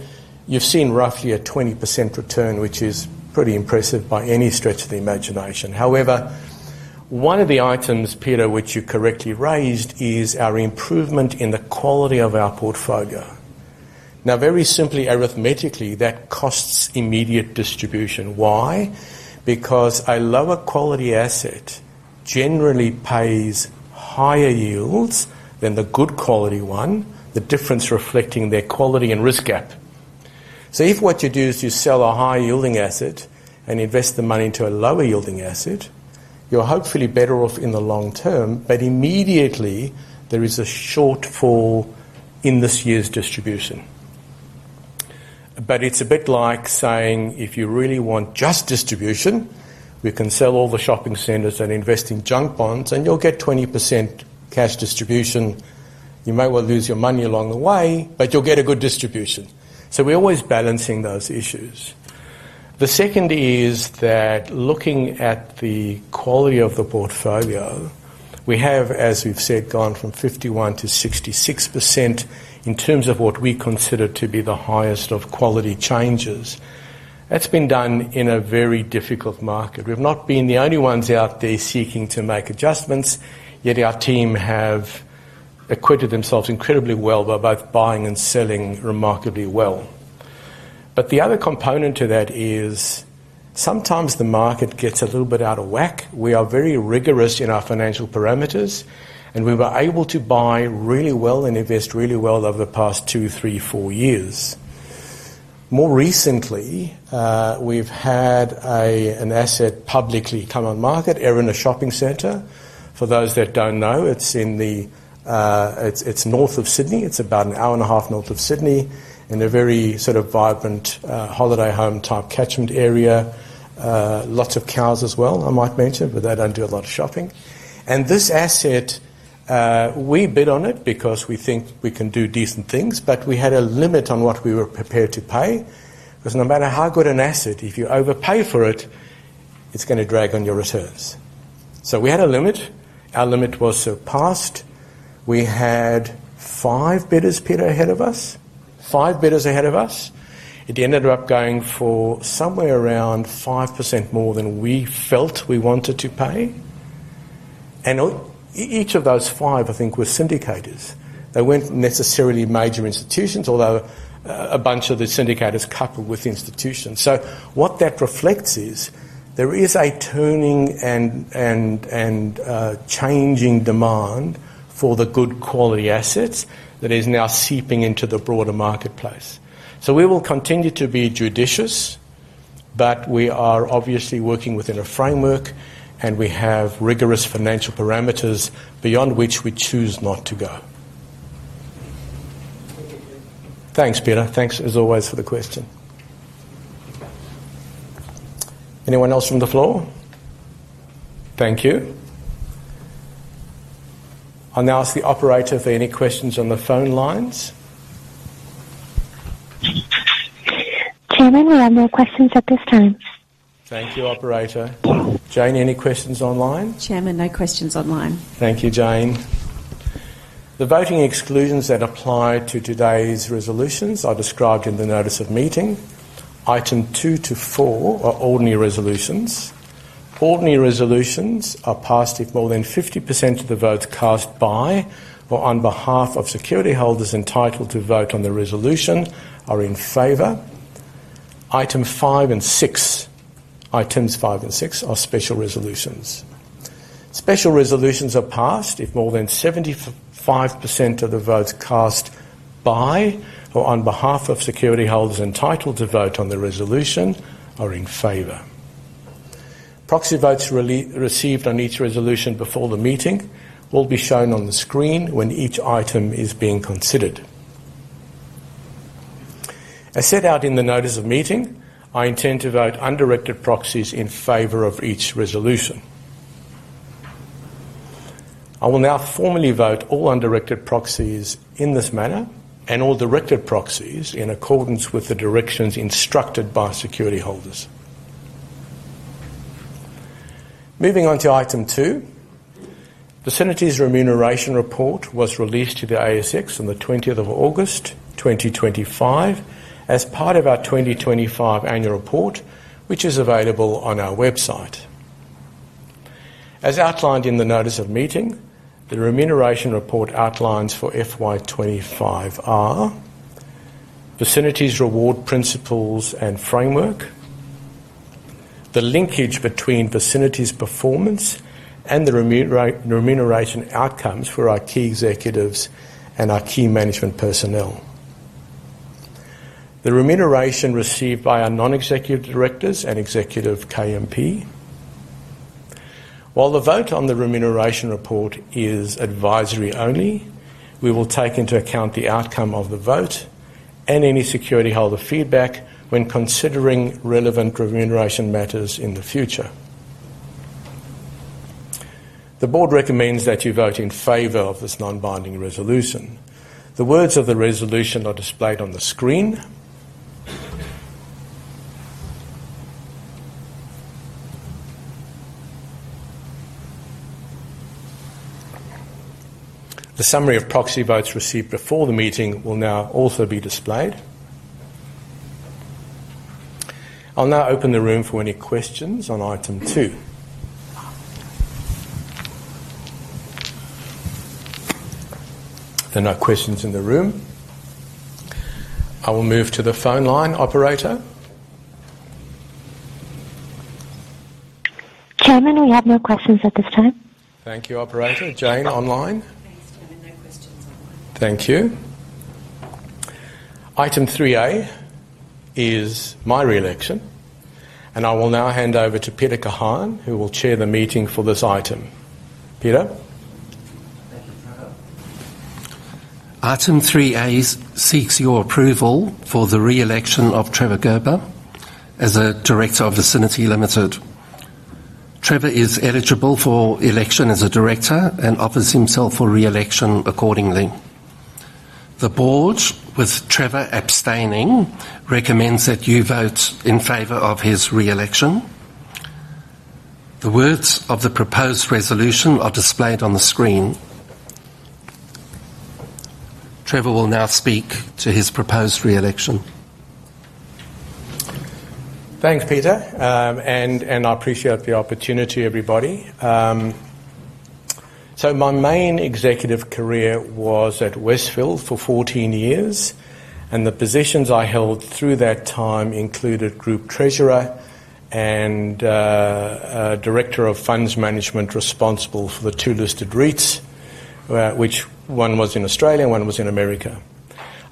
you have seen roughly a 20% return, which is pretty impressive by any stretch of the imagination. However, one of the items, Peter, which you correctly raised, is our improvement in the quality of our portfolio. Very simply, arithmetically, that costs immediate distribution. Why? Because a lower quality asset generally pays higher yields than the good quality one, the difference reflecting their quality and risk gap. If what you do is you sell a high-yielding asset and invest the money into a lower-yielding asset, you're hopefully better off in the long term, but immediately there is a shortfall in this year's distribution. It is a bit like saying if you really want just distribution, we can sell all the shopping centres and invest in junk bonds, and you'll get 20% cash distribution. You may well lose your money along the way, but you'll get a good distribution. We are always balancing those issues. The second is that looking at the quality of the portfolio, we have, as we've said, gone from 51% to 66% in terms of what we consider to be the highest of quality changes. That has been done in a very difficult market. We have not been the only ones out there seeking to make adjustments, yet our team have. Equipped themselves incredibly well by both buying and selling remarkably well. The other component to that is, sometimes the market gets a little bit out of whack. We are very rigorous in our financial parameters, and we were able to buy really well and invest really well over the past two, three, four years. More recently, we've had an asset publicly come on market, Erina Fair shopping centre. For those that do not know, it is north of Sydney. It is about an hour and a half north of Sydney in a very sort of vibrant holiday home type catchment area. Lots of cows as well, I might mention, but they do not do a lot of shopping. And this asset. We bid on it because we think we can do decent things, but we had a limit on what we were prepared to pay because no matter how good an asset, if you overpay for it, it's going to drag on your returns. We had a limit. Our limit was surpassed. We had five bidders, Peter, ahead of us, five bidders ahead of us. It ended up going for somewhere around 5% more than we felt we wanted to pay. Each of those five, I think, were syndicators. They were not necessarily major institutions, although a bunch of the syndicators coupled with institutions. What that reflects is there is a turning and changing demand for the good quality assets that is now seeping into the broader marketplace. We will continue to be judicious. We are obviously working within a framework, and we have rigorous financial parameters beyond which we choose not to go. Thanks, Peter. Thanks as always for the question. Anyone else from the floor? Thank you. I'll now ask the operator for any questions on the phone lines. Chairman, we have no questions at this time. Thank you, operator. Jane, any questions online? Chairman, no questions online. Thank you, Jane. The voting exclusions that apply to today's resolutions are described in the notice of meeting. Item two to four are ordinary resolutions. Ordinary resolutions are passed if more than 50% of the votes cast by or on behalf of security holders entitled to vote on the resolution are in favor. Items five and six are special resolutions. Special resolutions are passed if more than 75% of the votes cast. By or on behalf of security holders entitled to vote on the resolution are in favor. Proxy votes received on each resolution before the meeting will be shown on the screen when each item is being considered. As set out in the notice of meeting, I intend to vote undirected proxies in favor of each resolution. I will now formally vote all undirected proxies in this manner and all directed proxies in accordance with the directions instructed by security holders. Moving on to item two. Vicinity's remuneration report was released to the ASX on the 20th of August, 2025, as part of our 2025 annual report, which is available on our website. As outlined in the notice of meeting, the remuneration report outlines for FY 2025-R. Vicinity's reward principles and framework. The linkage between Vicinity's performance and the remuneration outcomes for our key executives and our key management personnel. The remuneration received by our non-executive directors and executive KMP. While the vote on the remuneration report is advisory only, we will take into account the outcome of the vote and any security holder feedback when considering relevant remuneration matters in the future. The board recommends that you vote in favor of this non-binding resolution. The words of the resolution are displayed on the screen. The summary of proxy votes received before the meeting will now also be displayed. I'll now open the room for any questions on item two. There are no questions in the room. I will move to the phone line, operator. Chairman, we have no questions at this time. Thank you, operator. Jane, online? Thanks, Chairman. No questions online. Thank you. Item 3A. Is my re-election, and I will now hand over to Peter Kahan, who will chair the meeting for this item. Peter. Thank you, Trevor. Item 3A seeks your approval for the re-election of Trevor Gerber as a director of Vicinity Limited. Trevor is eligible for election as a director and offers himself for re-election accordingly. The board, with Trevor abstaining, recommends that you vote in favor of his re-election. The words of the proposed resolution are displayed on the screen. Trevor will now speak to his proposed re-election. Thanks, Peter. I appreciate the opportunity, everybody. My main executive career was at Westfield for 14 years, and the positions I held through that time included Group Treasurer and Director of Funds Management responsible for the two listed REITs, which one was in Australia and one was in America.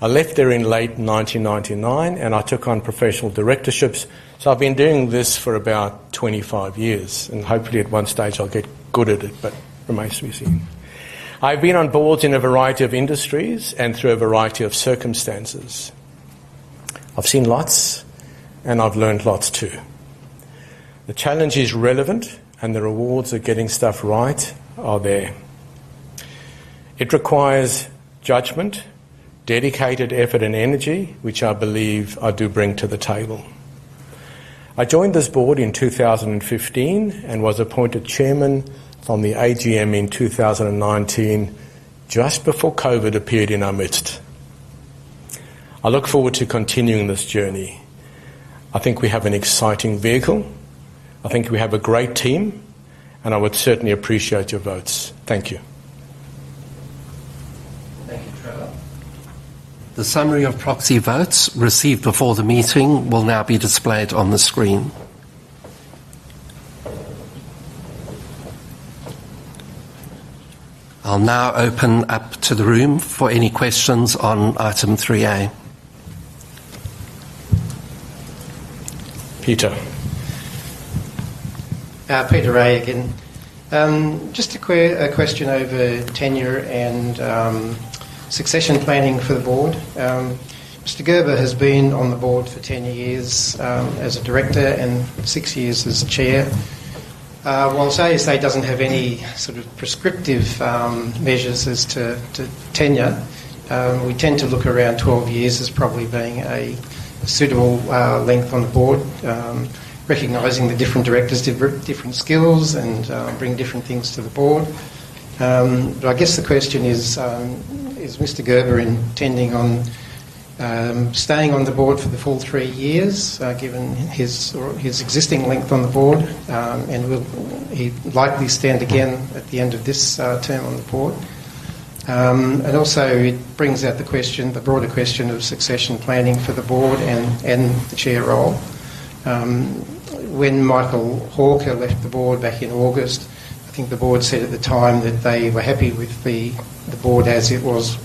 I left there in late 1999, and I took on professional directorships. I've been doing this for about 25 years, and hopefully at one stage I'll get good at it, but it may soon seem. I've been on boards in a variety of industries and through a variety of circumstances. I've seen lots, and I've learned lots too. The challenge is relevant, and the rewards of getting stuff right are there. It requires judgment, dedicated effort, and energy, which I believe I do bring to the table. I joined this board in 2015 and was appointed Chairman at the AGM in 2019, just before COVID appeared in our midst. I look forward to continuing this journey. I think we have an exciting vehicle. I think we have a great team, and I would certainly appreciate your votes. Thank you. Thank you, Trevor. The summary of proxy votes received before the meeting will now be displayed on the screen. I'll now open up to the room for any questions on item 3A. Peter. Peter Rae again. Just a quick question over tenure and succession planning for the board. Mr. Gerber has been on the board for 10 years as a director and 6 years as chair. While I say he doesn't have any sort of prescriptive measures as to tenure, we tend to look around 12 years as probably being a suitable length on the board. Recognizing the different directors have different skills and bring different things to the board. I guess the question is, is Mr. Gerber intending on staying on the board for the full three years given his existing length on the board? Will he likely stand again at the end of this term on the board? It brings out the broader question of succession planning for the board and the chair role. When Michael Hawker left the board back in August, I think the board said at the time that they were happy with the board as it was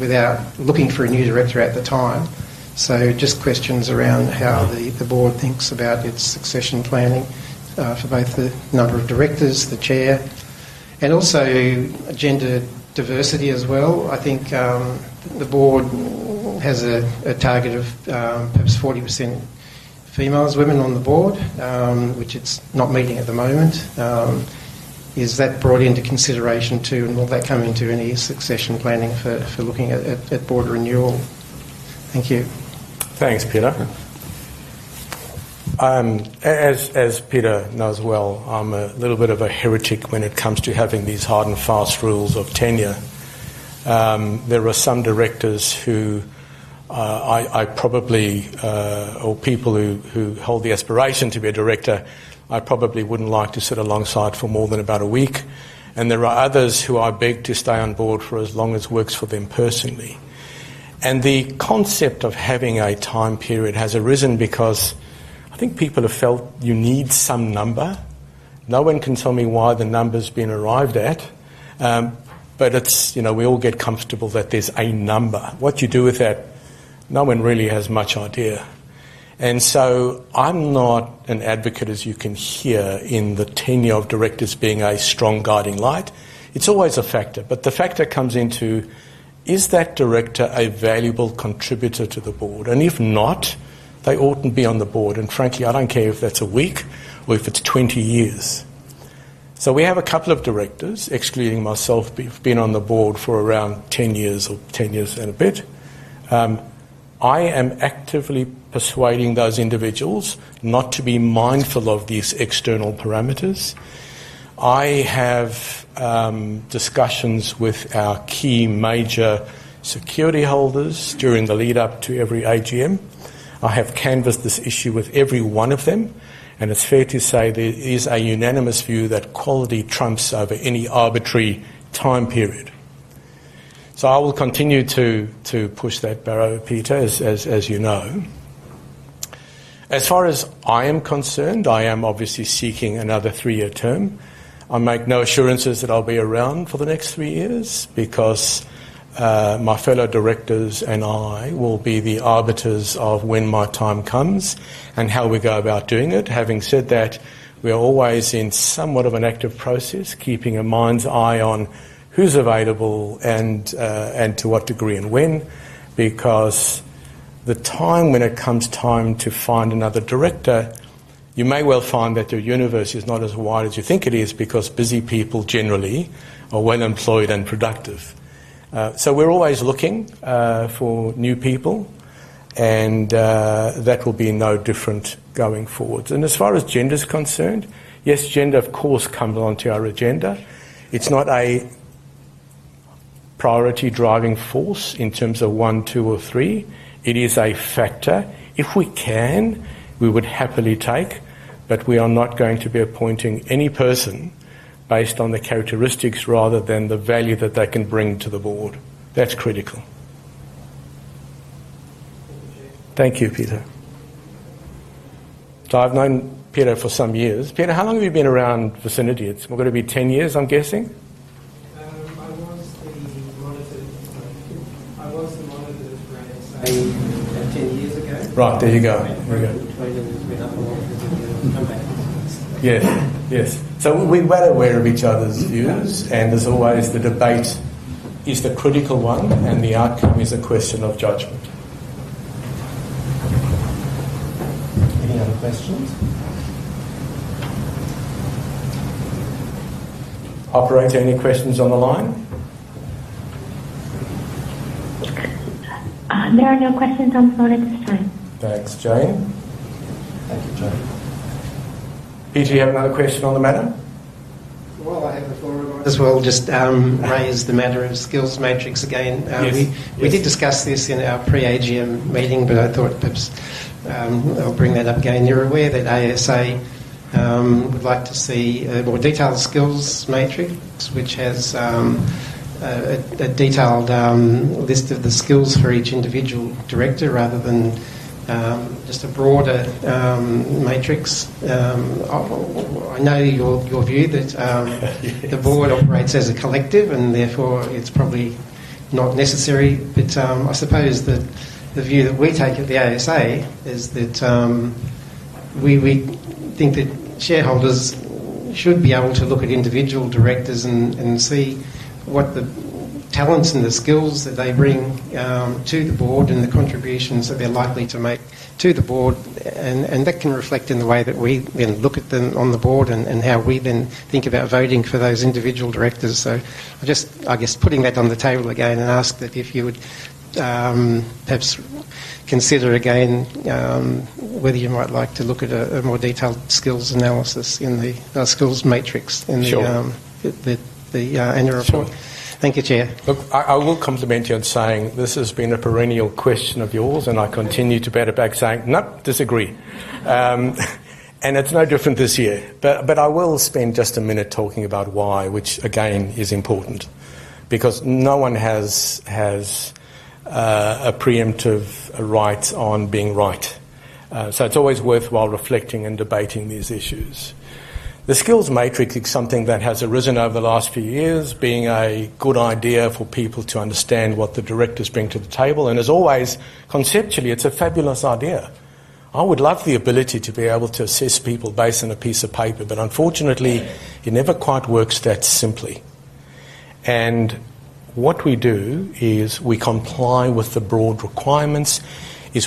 without looking for a new director at the time. Just questions around how the board thinks about its succession planning for both the number of directors, the chair, and also gender diversity as well. I think the board has a target of perhaps 40% females/women on the board, which it's not meeting at the moment. Is that brought into consideration too, and will that come into any succession planning for looking at board renewal? Thank you. Thanks, Peter. As Peter knows well, I'm a little bit of a heretic when it comes to having these hard and fast rules of tenure. There are some directors who I probably, or people who hold the aspiration to be a director, I probably wouldn't like to sit alongside for more than about a week. There are others who I beg to stay on board for as long as works for them personally. The concept of having a time period has arisen because I think people have felt you need some number. No one can tell me why the number's been arrived at. We all get comfortable that there's a number. What you do with that, no one really has much idea. I am not an advocate, as you can hear, in the tenure of directors being a strong guiding light. It is always a factor. The factor comes into, is that director a valuable contributor to the board? If not, they oughtn't be on the board. Frankly, I do not care if that is a week or if it is 20 years. We have a couple of directors, excluding myself, who have been on the board for around 10 years or 10 years and a bit. I am actively persuading those individuals not to be mindful of these external parameters. I have discussions with our key major security holders during the lead-up to every AGM. I have canvassed this issue with every one of them. It is fair to say there is a unanimous view that quality trumps over any arbitrary time period. I will continue to push that barrel, Peter, as you know. As far as I am concerned, I am obviously seeking another three-year term. I make no assurances that I will be around for the next three years because. My fellow directors and I will be the arbiters of when my time comes and how we go about doing it. Having said that, we are always in somewhat of an active process, keeping a mind's eye on who's available and to what degree and when, because the time when it comes time to find another director, you may well find that your universe is not as wide as you think it is because busy people generally are well employed and productive. We are always looking for new people. That will be no different going forward. As far as gender is concerned, yes, gender, of course, comes onto our agenda. It is not a priority driving force in terms of one, two, or three. It is a factor. If we can, we would happily take, but we are not going to be appointing any person. Based on the characteristics rather than the value that they can bring to the board. That's critical. Thank you, Peter. I've known Peter for some years. Peter, how long have you been around Vicinity? It's going to be 10 years, I'm guessing. I was the monitor. I was the monitor for, say, 10 years ago. Right. There you go. We're good. We've been up a lot for 10 years. Come back. Yes. Yes. We're well aware of each other's views, and there's always the debate is the critical one, and the outcome is a question of judgment. Any other questions? Operator, any questions on the line? There are no questions on the board at this time. Thanks, Jane. Thank you, Jane. Peter, you have another question on the matter? I had before I wanted to as well just raise the matter of skills matrix again. We did discuss this in our pre-AGM meeting, but I thought perhaps I'll bring that up again. You're aware that ASA would like to see a more detailed skills matrix, which has a detailed list of the skills for each individual director rather than just a broader matrix. I know your view that the board operates as a collective, and therefore it's probably not necessary. I suppose that the view that we take at the ASA is that we think that shareholders should be able to look at individual directors and see what the talents and the skills that they bring to the board and the contributions that they're likely to make to the board. That can reflect in the way that we then look at them on the board and how we then think about voting for those individual directors. I guess putting that on the table again and ask that if you would. Perhaps consider again whether you might like to look at a more detailed skills analysis in the skills matrix in the annual report. Thank you, Chair. Look, I will compliment you on saying this has been a perennial question of yours, and I continue to battle back saying, "No, disagree." It is no different this year. I will spend just a minute talking about why, which again is important, because no one has a preemptive right on being right. It is always worthwhile reflecting and debating these issues. The skills matrix is something that has arisen over the last few years, being a good idea for people to understand what the directors bring to the table. As always, conceptually, it is a fabulous idea. I would love the ability to be able to assess people based on a piece of paper, but unfortunately, it never quite works that simply. What we do is we comply with the broad requirements,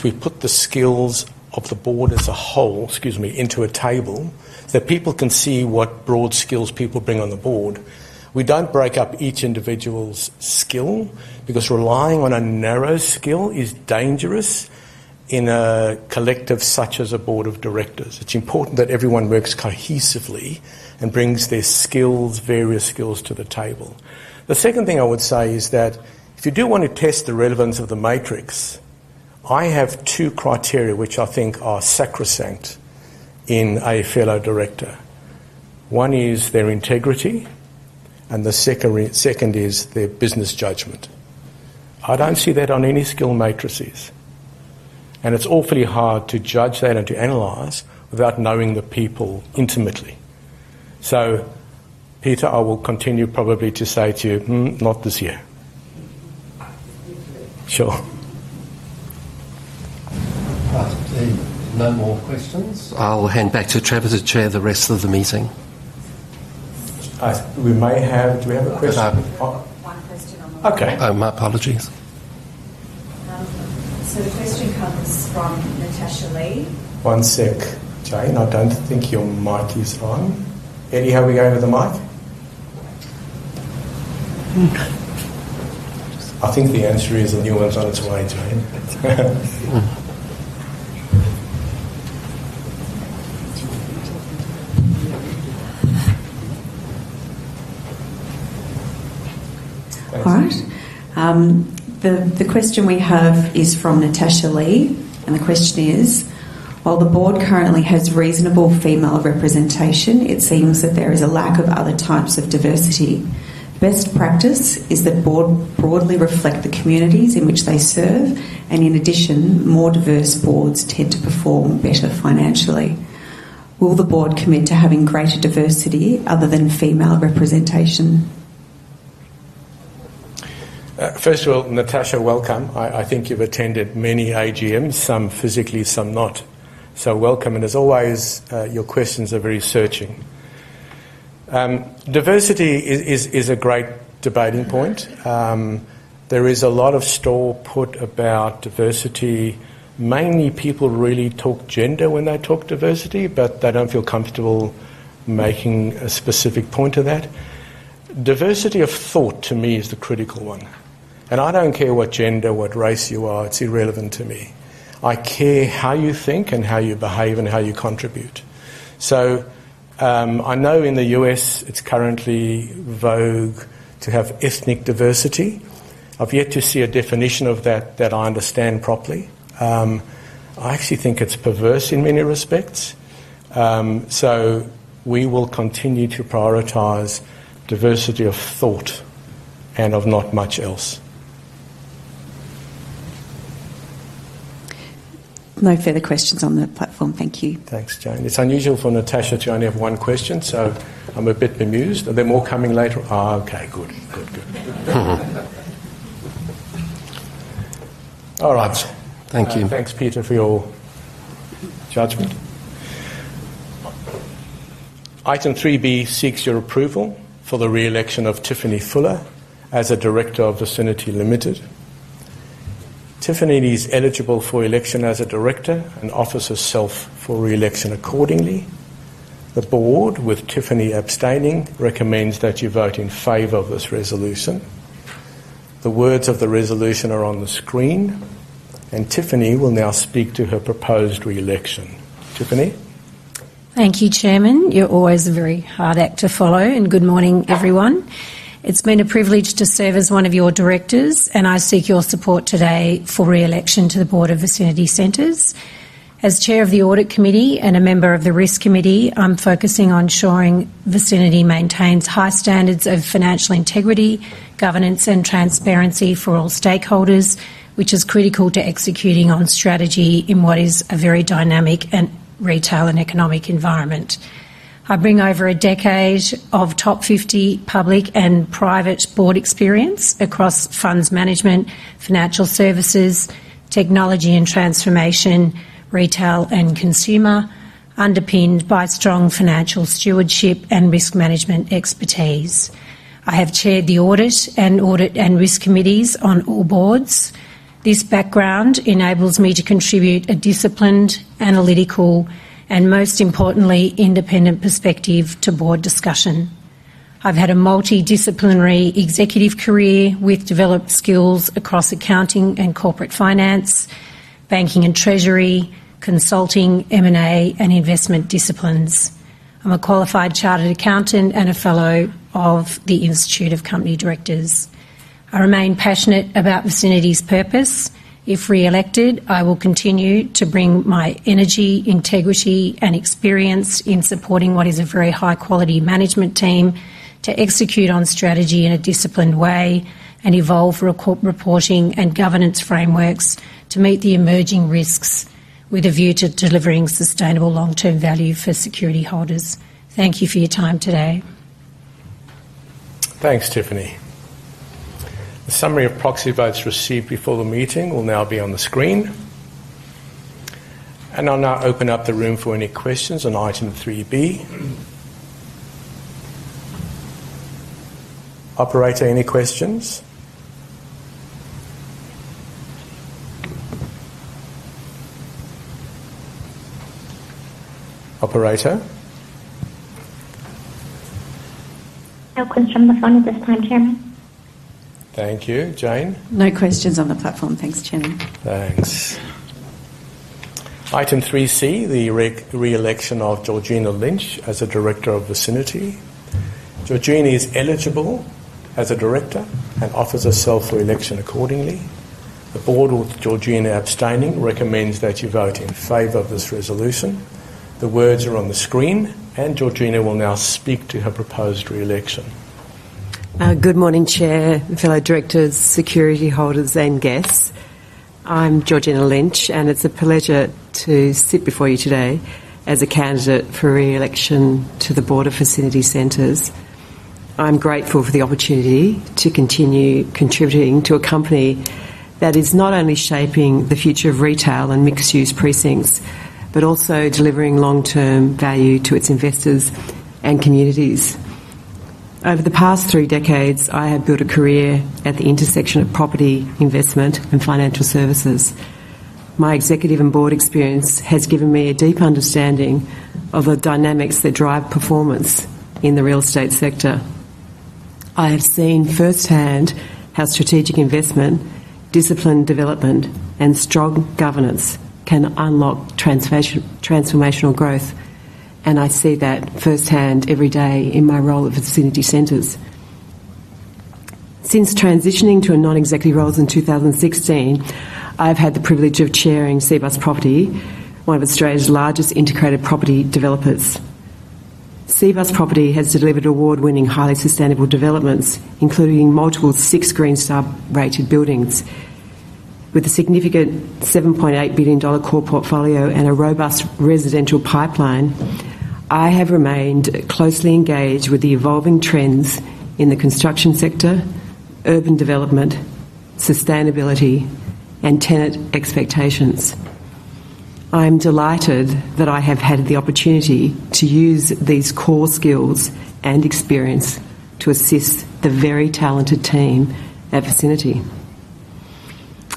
we put the skills of the board as a whole, excuse me, into a table so people can see what broad skills people bring on the board. We do not break up each individual's skill because relying on a narrow skill is dangerous in a collective such as a board of directors. It is important that everyone works cohesively and brings their various skills to the table. The second thing I would say is that if you do want to test the relevance of the matrix, I have two criteria which I think are sacrosanct in a fellow director. One is their integrity, and the second is their business judgment. I don't see that on any skill matrices. And it's awfully hard to judge that and to analyse without knowing the people intimately. So, Peter, I will continue probably to say to you, "Not this year." Sure. No more questions? I'll hand back to Trevor to chair the rest of the meeting. We may have—do we have a question? One question on the mic. Okay. My apologies. So the question comes from Natasha Lee. One sec, Jane. I don't think your mic is on. Eddie, how are we going with the mic? I think the answer is a new one's on its way, Jane. All right. The question we have is from Natasha Lee. And the question is, "While the board currently has reasonable female representation, it seems that there is a lack of other types of diversity. Best practice is that boards broadly reflect the communities in which they serve, and in addition, more diverse boards tend to perform better financially. Will the board commit to having greater diversity other than female representation? First of all, Natasha, welcome. I think you've attended many AGMs, some physically, some not. So welcome. And as always, your questions are very searching. Diversity is a great debating point. There is a lot of stall put about diversity. Mainly, people really talk gender when they talk diversity, but they don't feel comfortable making a specific point of that. Diversity of thought, to me, is the critical one. I don't care what gender, what race you are. It's irrelevant to me. I care how you think and how you behave and how you contribute. I know in the US it's currently vogue to have ethnic diversity. I've yet to see a definition of that that I understand properly. I actually think it's perverse in many respects. We will continue to prioritize diversity of thought and of not much else. No further questions on the platform. Thank you. Thanks, Jane. It's unusual for Natasha to only have one question, so I'm a bit bemused. Are there more coming later? Okay. Good. Good. Good. All right. Thank you. Thanks, Peter, for your judgment. Item 3B seeks your approval for the re-election of Tiffany Fuller as a Director of Vicinity Limited. Tiffany is eligible for election as a Director and offers herself for re-election accordingly. The Board, with Tiffany abstaining, recommends that you vote in favor of this resolution. The words of the resolution are on the screen, and Tiffany will now speak to her proposed re-election. Tiffany? Thank you, Chairman. You're always a very hard act to follow. Good morning, everyone. It's been a privilege to serve as one of your directors, and I seek your support today for re-election to the board of Vicinity Centres. As Chair of the Audit Committee and a member of the Risk Committee, I'm focusing on ensuring Vicinity maintains high standards of financial integrity, governance, and transparency for all stakeholders, which is critical to executing on strategy in what is a very dynamic retail and economic environment. I bring over a decade of top 50 public and private board experience across funds management, financial services, technology and transformation, retail, and consumer, underpinned by strong financial stewardship and risk management expertise. I have chaired the audit and risk committees on all boards. This background enables me to contribute a disciplined, analytical, and most importantly, independent perspective to board discussion. I've had a multidisciplinary executive career with developed skills across accounting and corporate finance, banking and treasury, consulting, M&A, and investment disciplines. I'm a qualified chartered accountant and a fellow of the Institute of Company Directors. I remain passionate about Vicinity's purpose. If re-elected, I will continue to bring my energy, integrity, and experience in supporting what is a very high-quality management team to execute on strategy in a disciplined way and evolve reporting and governance frameworks to meet the emerging risks with a view to delivering sustainable long-term value for security holders. Thank you for your time today. Thanks, Tiffany. The summary of proxy votes received before the meeting will now be on the screen. I'll now open up the room for any questions on item 3B. Operator, any questions? Operator? No questions on the phone at this time, Chairman. Thank you. Jane? No questions on the platform. Thanks, Chairman. Thanks. Item 3C, the re-election of Georgina Lynch as a director of Vicinity. Georgina is eligible as a director and offers herself for election accordingly. The board, with Georgina abstaining, recommends that you vote in favor of this resolution. The words are on the screen, and Georgina will now speak to her proposed re-election. Good morning, Chair, fellow directors, security holders, and guests. I'm Georgina Lynch, and it's a pleasure to sit before you today as a candidate for re-election to the board of Vicinity Centres. I'm grateful for the opportunity to continue contributing to a company that is not only shaping the future of retail and mixed-use precincts but also delivering long-term value to its investors and communities. Over the past three decades, I have built a career at the intersection of property, investment, and financial services. My executive and board experience has given me a deep understanding of the dynamics that drive performance in the real estate sector. I have seen firsthand how strategic investment, disciplined development, and strong governance can unlock transformational growth, and I see that firsthand every day in my role at Vicinity Centres. Since transitioning to a non-executive role in 2016, I've had the privilege of chairing Cbus Property, one of Australia's largest integrated property developers. Cbus Property has delivered award-winning, highly sustainable developments, including multiple six Green Star-rated buildings. With a significant 7.8 billion dollar core portfolio and a robust residential pipeline, I have remained closely engaged with the evolving trends in the construction sector, urban development, sustainability, and tenant expectations. I'm delighted that I have had the opportunity to use these core skills and experience to assist the very talented team at Vicinity.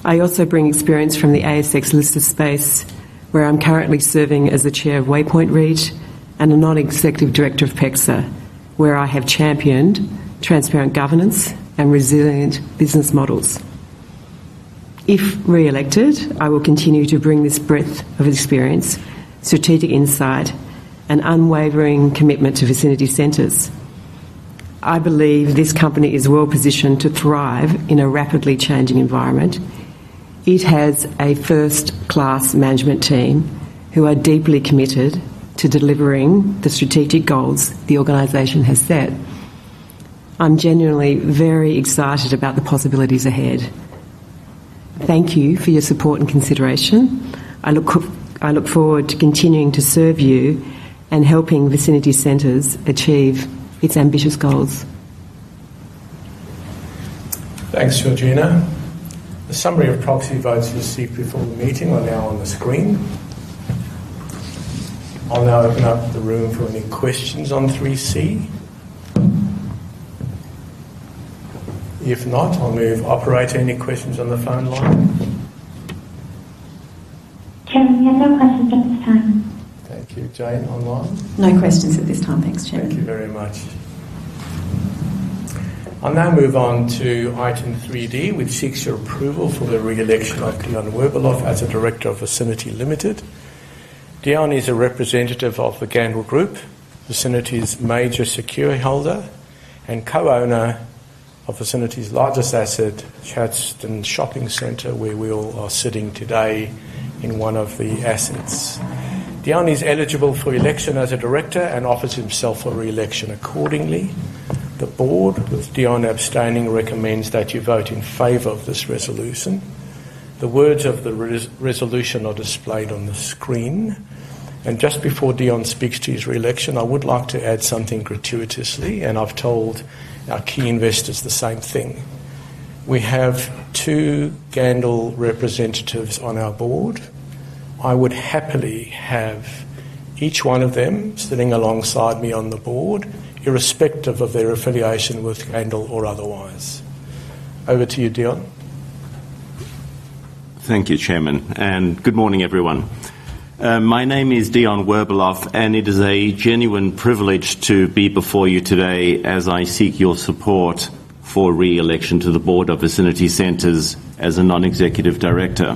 I also bring experience from the ASX listed space, where I'm currently serving as the chair of Waypoint REIT and a non-executive director of PEXA, where I have championed transparent governance and resilient business models. If re-elected, I will continue to bring this breadth of experience, strategic insight, and unwavering commitment to Vicinity Centres. I believe this company is well positioned to thrive in a rapidly changing environment. It has a first-class management team who are deeply committed to delivering the strategic goals the organisation has set. I'm genuinely very excited about the possibilities ahead. Thank you for your support and consideration. I look forward to continuing to serve you and helping Vicinity Centres achieve its ambitious goals. Thanks, Georgina. The summary of proxy votes received before the meeting are now on the screen. I'll now open up the room for any questions on 3C. If not, I'll move. Operator, any questions on the phone line? Chairman, we have no questions at this time. Thank you. Jane, online? No questions at this time. Thanks, Chairman. Thank you very much. I'll now move on to item 3D, which seeks your approval for the re-election of Dion Werbeloff as a director of Vicinity Centres. Dionne is a representative of the Gandel Group, Vicinity's major security holder, and co-owner of Vicinity's largest asset, Chadstone Shopping Centre, where we all are sitting today in one of the assets. Dionne is eligible for election as a director and offers himself for re-election accordingly. The board, with Dionne abstaining, recommends that you vote in favor of this resolution. The words of the resolution are displayed on the screen. Just before Dionne speaks to his re-election, I would like to add something gratuitously, and I've told our key investors the same thing. We have two Gandel representatives on our board. I would happily have each one of them sitting alongside me on the board, irrespective of their affiliation with Gandel or otherwise. Over to you, Dion. Thank you, Chairman. Good morning, everyone. My name is Dion Werbeloff, and it is a genuine privilege to be before you today as I seek your support for re-election to the board of Vicinity Centres as a non-executive director.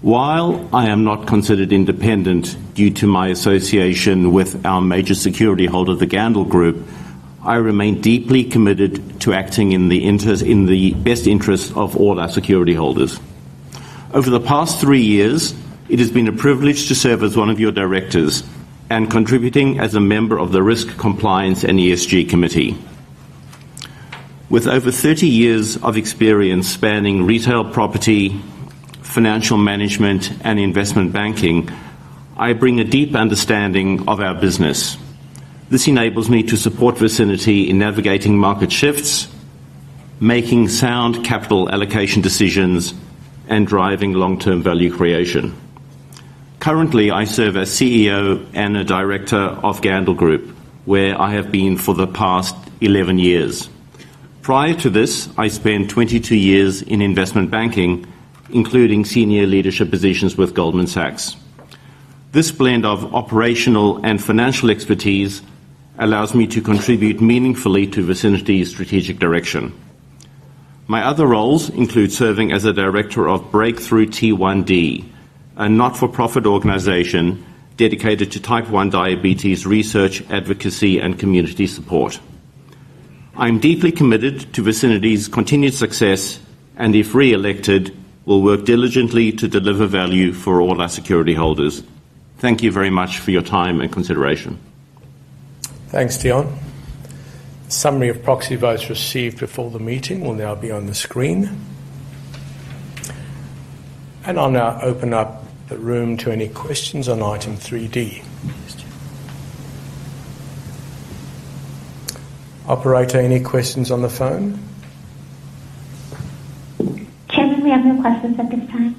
While I am not considered independent due to my association with our major security holder, the Gandel Group, I remain deeply committed to acting in the best interest of all our security holders. Over the past three years, it has been a privilege to serve as one of your directors and contributing as a member of the Risk Compliance and ESG Committee. With over 30 years of experience spanning retail property, financial management, and investment banking, I bring a deep understanding of our business. This enables me to support Vicinity in navigating market shifts, making sound capital allocation decisions, and driving long-term value creation. Currently, I serve as CEO and a director of Gandel Group, where I have been for the past 11 years. Prior to this, I spent 22 years in investment banking, including senior leadership positions with Goldman Sachs. This blend of operational and financial expertise allows me to contribute meaningfully to Vicinity's strategic direction. My other roles include serving as a director of Breakthrough T1D, a not-for-profit organization dedicated to type 1 diabetes research, advocacy, and community support. I'm deeply committed to Vicinity's continued success, and if re-elected, will work diligently to deliver value for all our security holders. Thank you very much for your time and consideration. Thanks, Dion. The summary of proxy votes received before the meeting will now be on the screen. I'll now open up the room to any questions on item 3D. Operator, any questions on the phone? Chairman, we have no questions at this time.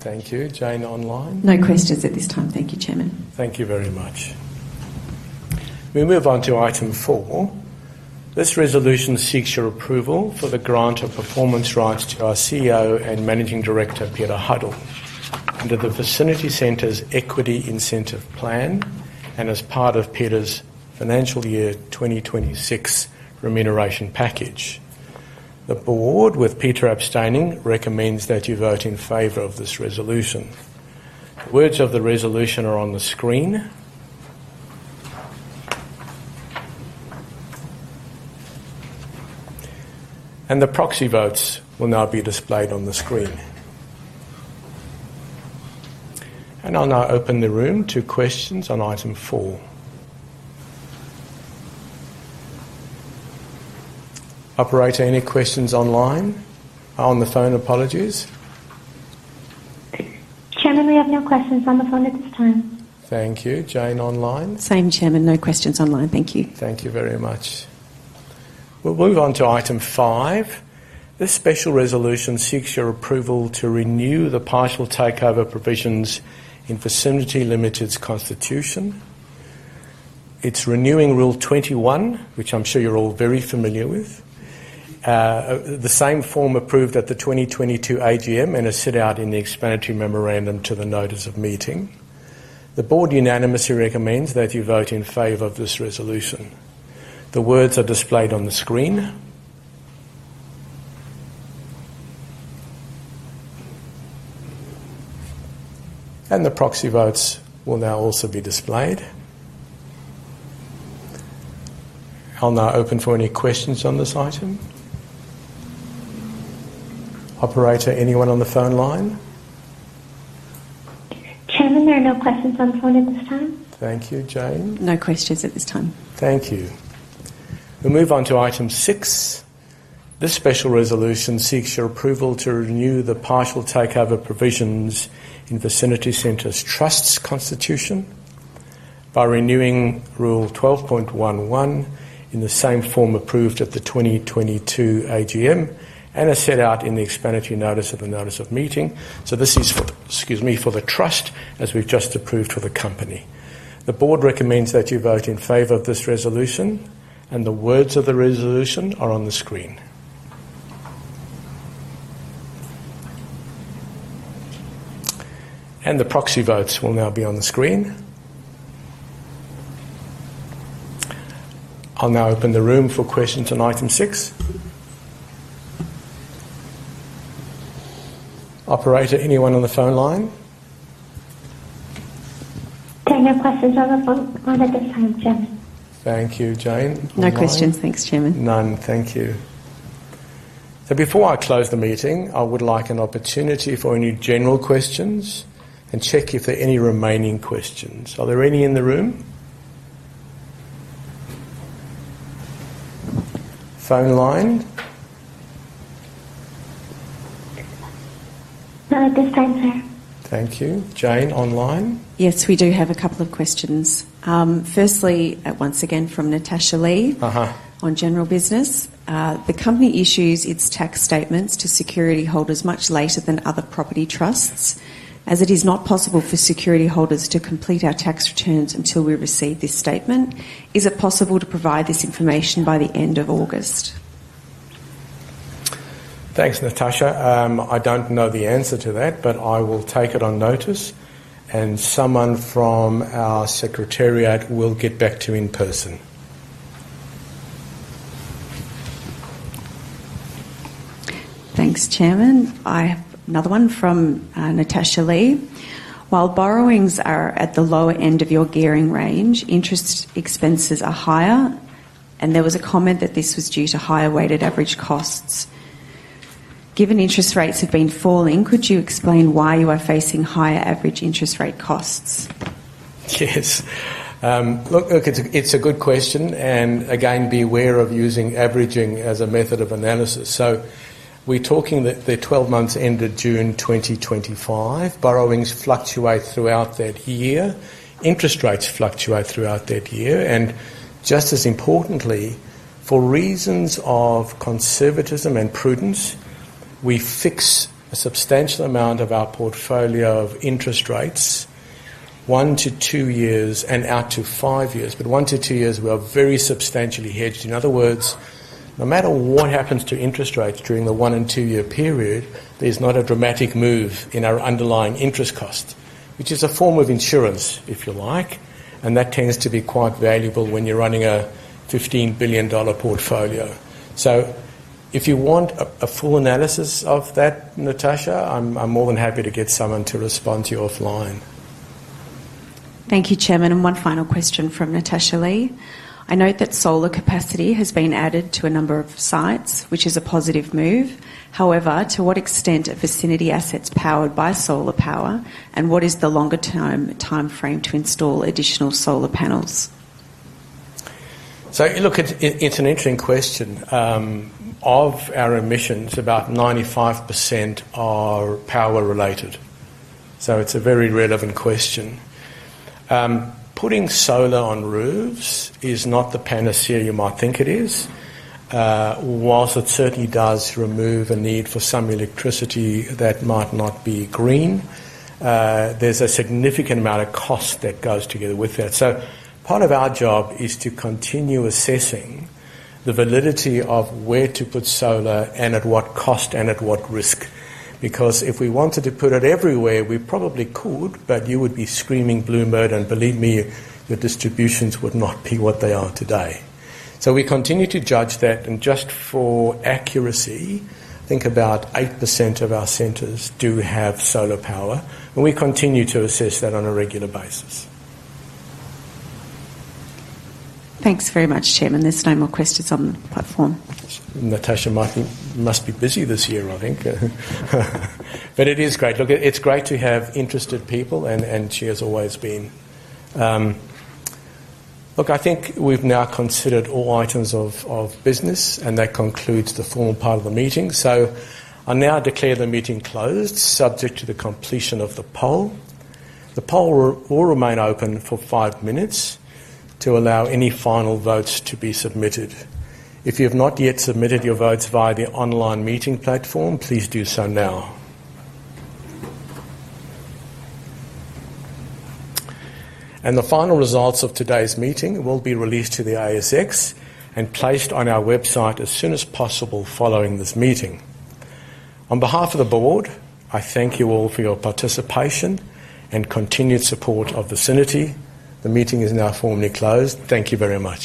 Thank you. Jane, online? No questions at this time. Thank you, Chairman. Thank you very much. We move on to item 4. This resolution seeks your approval for the grant of performance rights to our CEO and managing director, Peter Huddle, under the Vicinity Centres Equity Incentive Plan and as part of Peter's financial year 2026 remuneration package. The board, with Peter abstaining, recommends that you vote in favor of this resolution. The words of the resolution are on the screen. The proxy votes will now be displayed on the screen. I'll now open the room to questions on item 4. Operator, any questions online? On the phone, apologies. Chairman, we have no questions on the phone at this time. Thank you. Jane, online? Same, Chairman. No questions online. Thank you. Thank you very much. We'll move on to item 5. This special resolution seeks your approval to renew the partial takeover provisions in Vicinity Limited's constitution. It's renewing Rule 21, which I'm sure you're all very familiar with. The same form approved at the 2022 AGM and is set out in the explanatory memorandum to the notice of meeting. The board unanimously recommends that you vote in favor of this resolution. The words are displayed on the screen. The proxy votes will now also be displayed. I'll now open for any questions on this item. Operator, anyone on the phone line? Chairman, there are no questions on the phone at this time. Thank you. Jane? No questions at this time. Thank you. We'll move on to item 6. This special resolution seeks your approval to renew the partial takeover provisions in Vicinity Centres' trusts constitution. By renewing Rule 12.11 in the same form approved at the 2022 AGM and as set out in the explanatory notice of the notice of meeting. This is, excuse me, for the trust as we've just approved for the company. The board recommends that you vote in favor of this resolution. The words of the resolution are on the screen. The proxy votes will now be on the screen. I'll now open the room for questions on item 6. Operator, anyone on the phone line? Chairman, no questions on the phone line at this time, Chairman. Thank you. Jane? No questions. Thanks, Chairman. None. Thank you. Before I close the meeting, I would like an opportunity for any general questions and check if there are any remaining questions. Are there any in the room? Phone line? None at this time, Chairman. Thank you. Jane, online? Yes, we do have a couple of questions. Firstly, once again, from Natasha Lee on general business. The company issues its tax statements to security holders much later than other property trusts. As it is not possible for security holders to complete our tax returns until we receive this statement, is it possible to provide this information by the end of August? Thanks, Natasha. I don't know the answer to that, but I will take it on notice, and someone from our secretariat will get back to you in person. Thanks, Chairman. I have another one from Natasha Lee. While borrowings are at the lower end of your gearing range, interest expenses are higher, and there was a comment that this was due to higher weighted average costs. Given interest rates have been falling, could you explain why you are facing higher average interest rate costs? Yes. Look, it's a good question. Again, beware of using averaging as a method of analysis. We're talking that the 12 months ended June 2025. Borrowings fluctuate throughout that year. Interest rates fluctuate throughout that year. Just as importantly, for reasons of conservatism and prudence, we fix a substantial amount of our portfolio of interest rates one to two years and out to five years. One to two years, we are very substantially hedged. In other words, no matter what happens to interest rates during the one- and two-year period, there is not a dramatic move in our underlying interest costs, which is a form of insurance, if you like, and that tends to be quite valuable when you are running an 15 billion dollar portfolio. If you want a full analysis of that, Natasha, I am more than happy to get someone to respond to you offline. Thank you, Chairman. One final question from Natasha Lee. I note that solar capacity has been added to a number of sites, which is a positive move. However, to what extent are Vicinity assets powered by solar power, and what is the longer-term timeframe to install additional solar panels? It is an interesting question. Of our emissions, about 95% are power-related. It is a very relevant question. Putting solar on roofs is not the panacea you might think it is. Whilst it certainly does remove a need for some electricity that might not be green, there's a significant amount of cost that goes together with that. Part of our job is to continue assessing the validity of where to put solar and at what cost and at what risk. If we wanted to put it everywhere, we probably could, but you would be screaming blue mode, and believe me, the distributions would not be what they are today. We continue to judge that. And just for accuracy, think about 8% of our centres do have solar power. We continue to assess that on a regular basis. Thanks very much, Chairman. There's no more questions on the platform. Natasha must be busy this year, I think. But it is great. Look, it's great to have interested people, and she has always been. Look, I think we've now considered all items of business, and that concludes the formal part of the meeting. I will now declare the meeting closed, subject to the completion of the poll. The poll will remain open for five minutes to allow any final votes to be submitted. If you have not yet submitted your votes via the online meeting platform, please do so now. The final results of today's meeting will be released to the ASX and placed on our website as soon as possible following this meeting. On behalf of the board, I thank you all for your participation and continued support of Vicinity. The meeting is now formally closed. Thank you very much.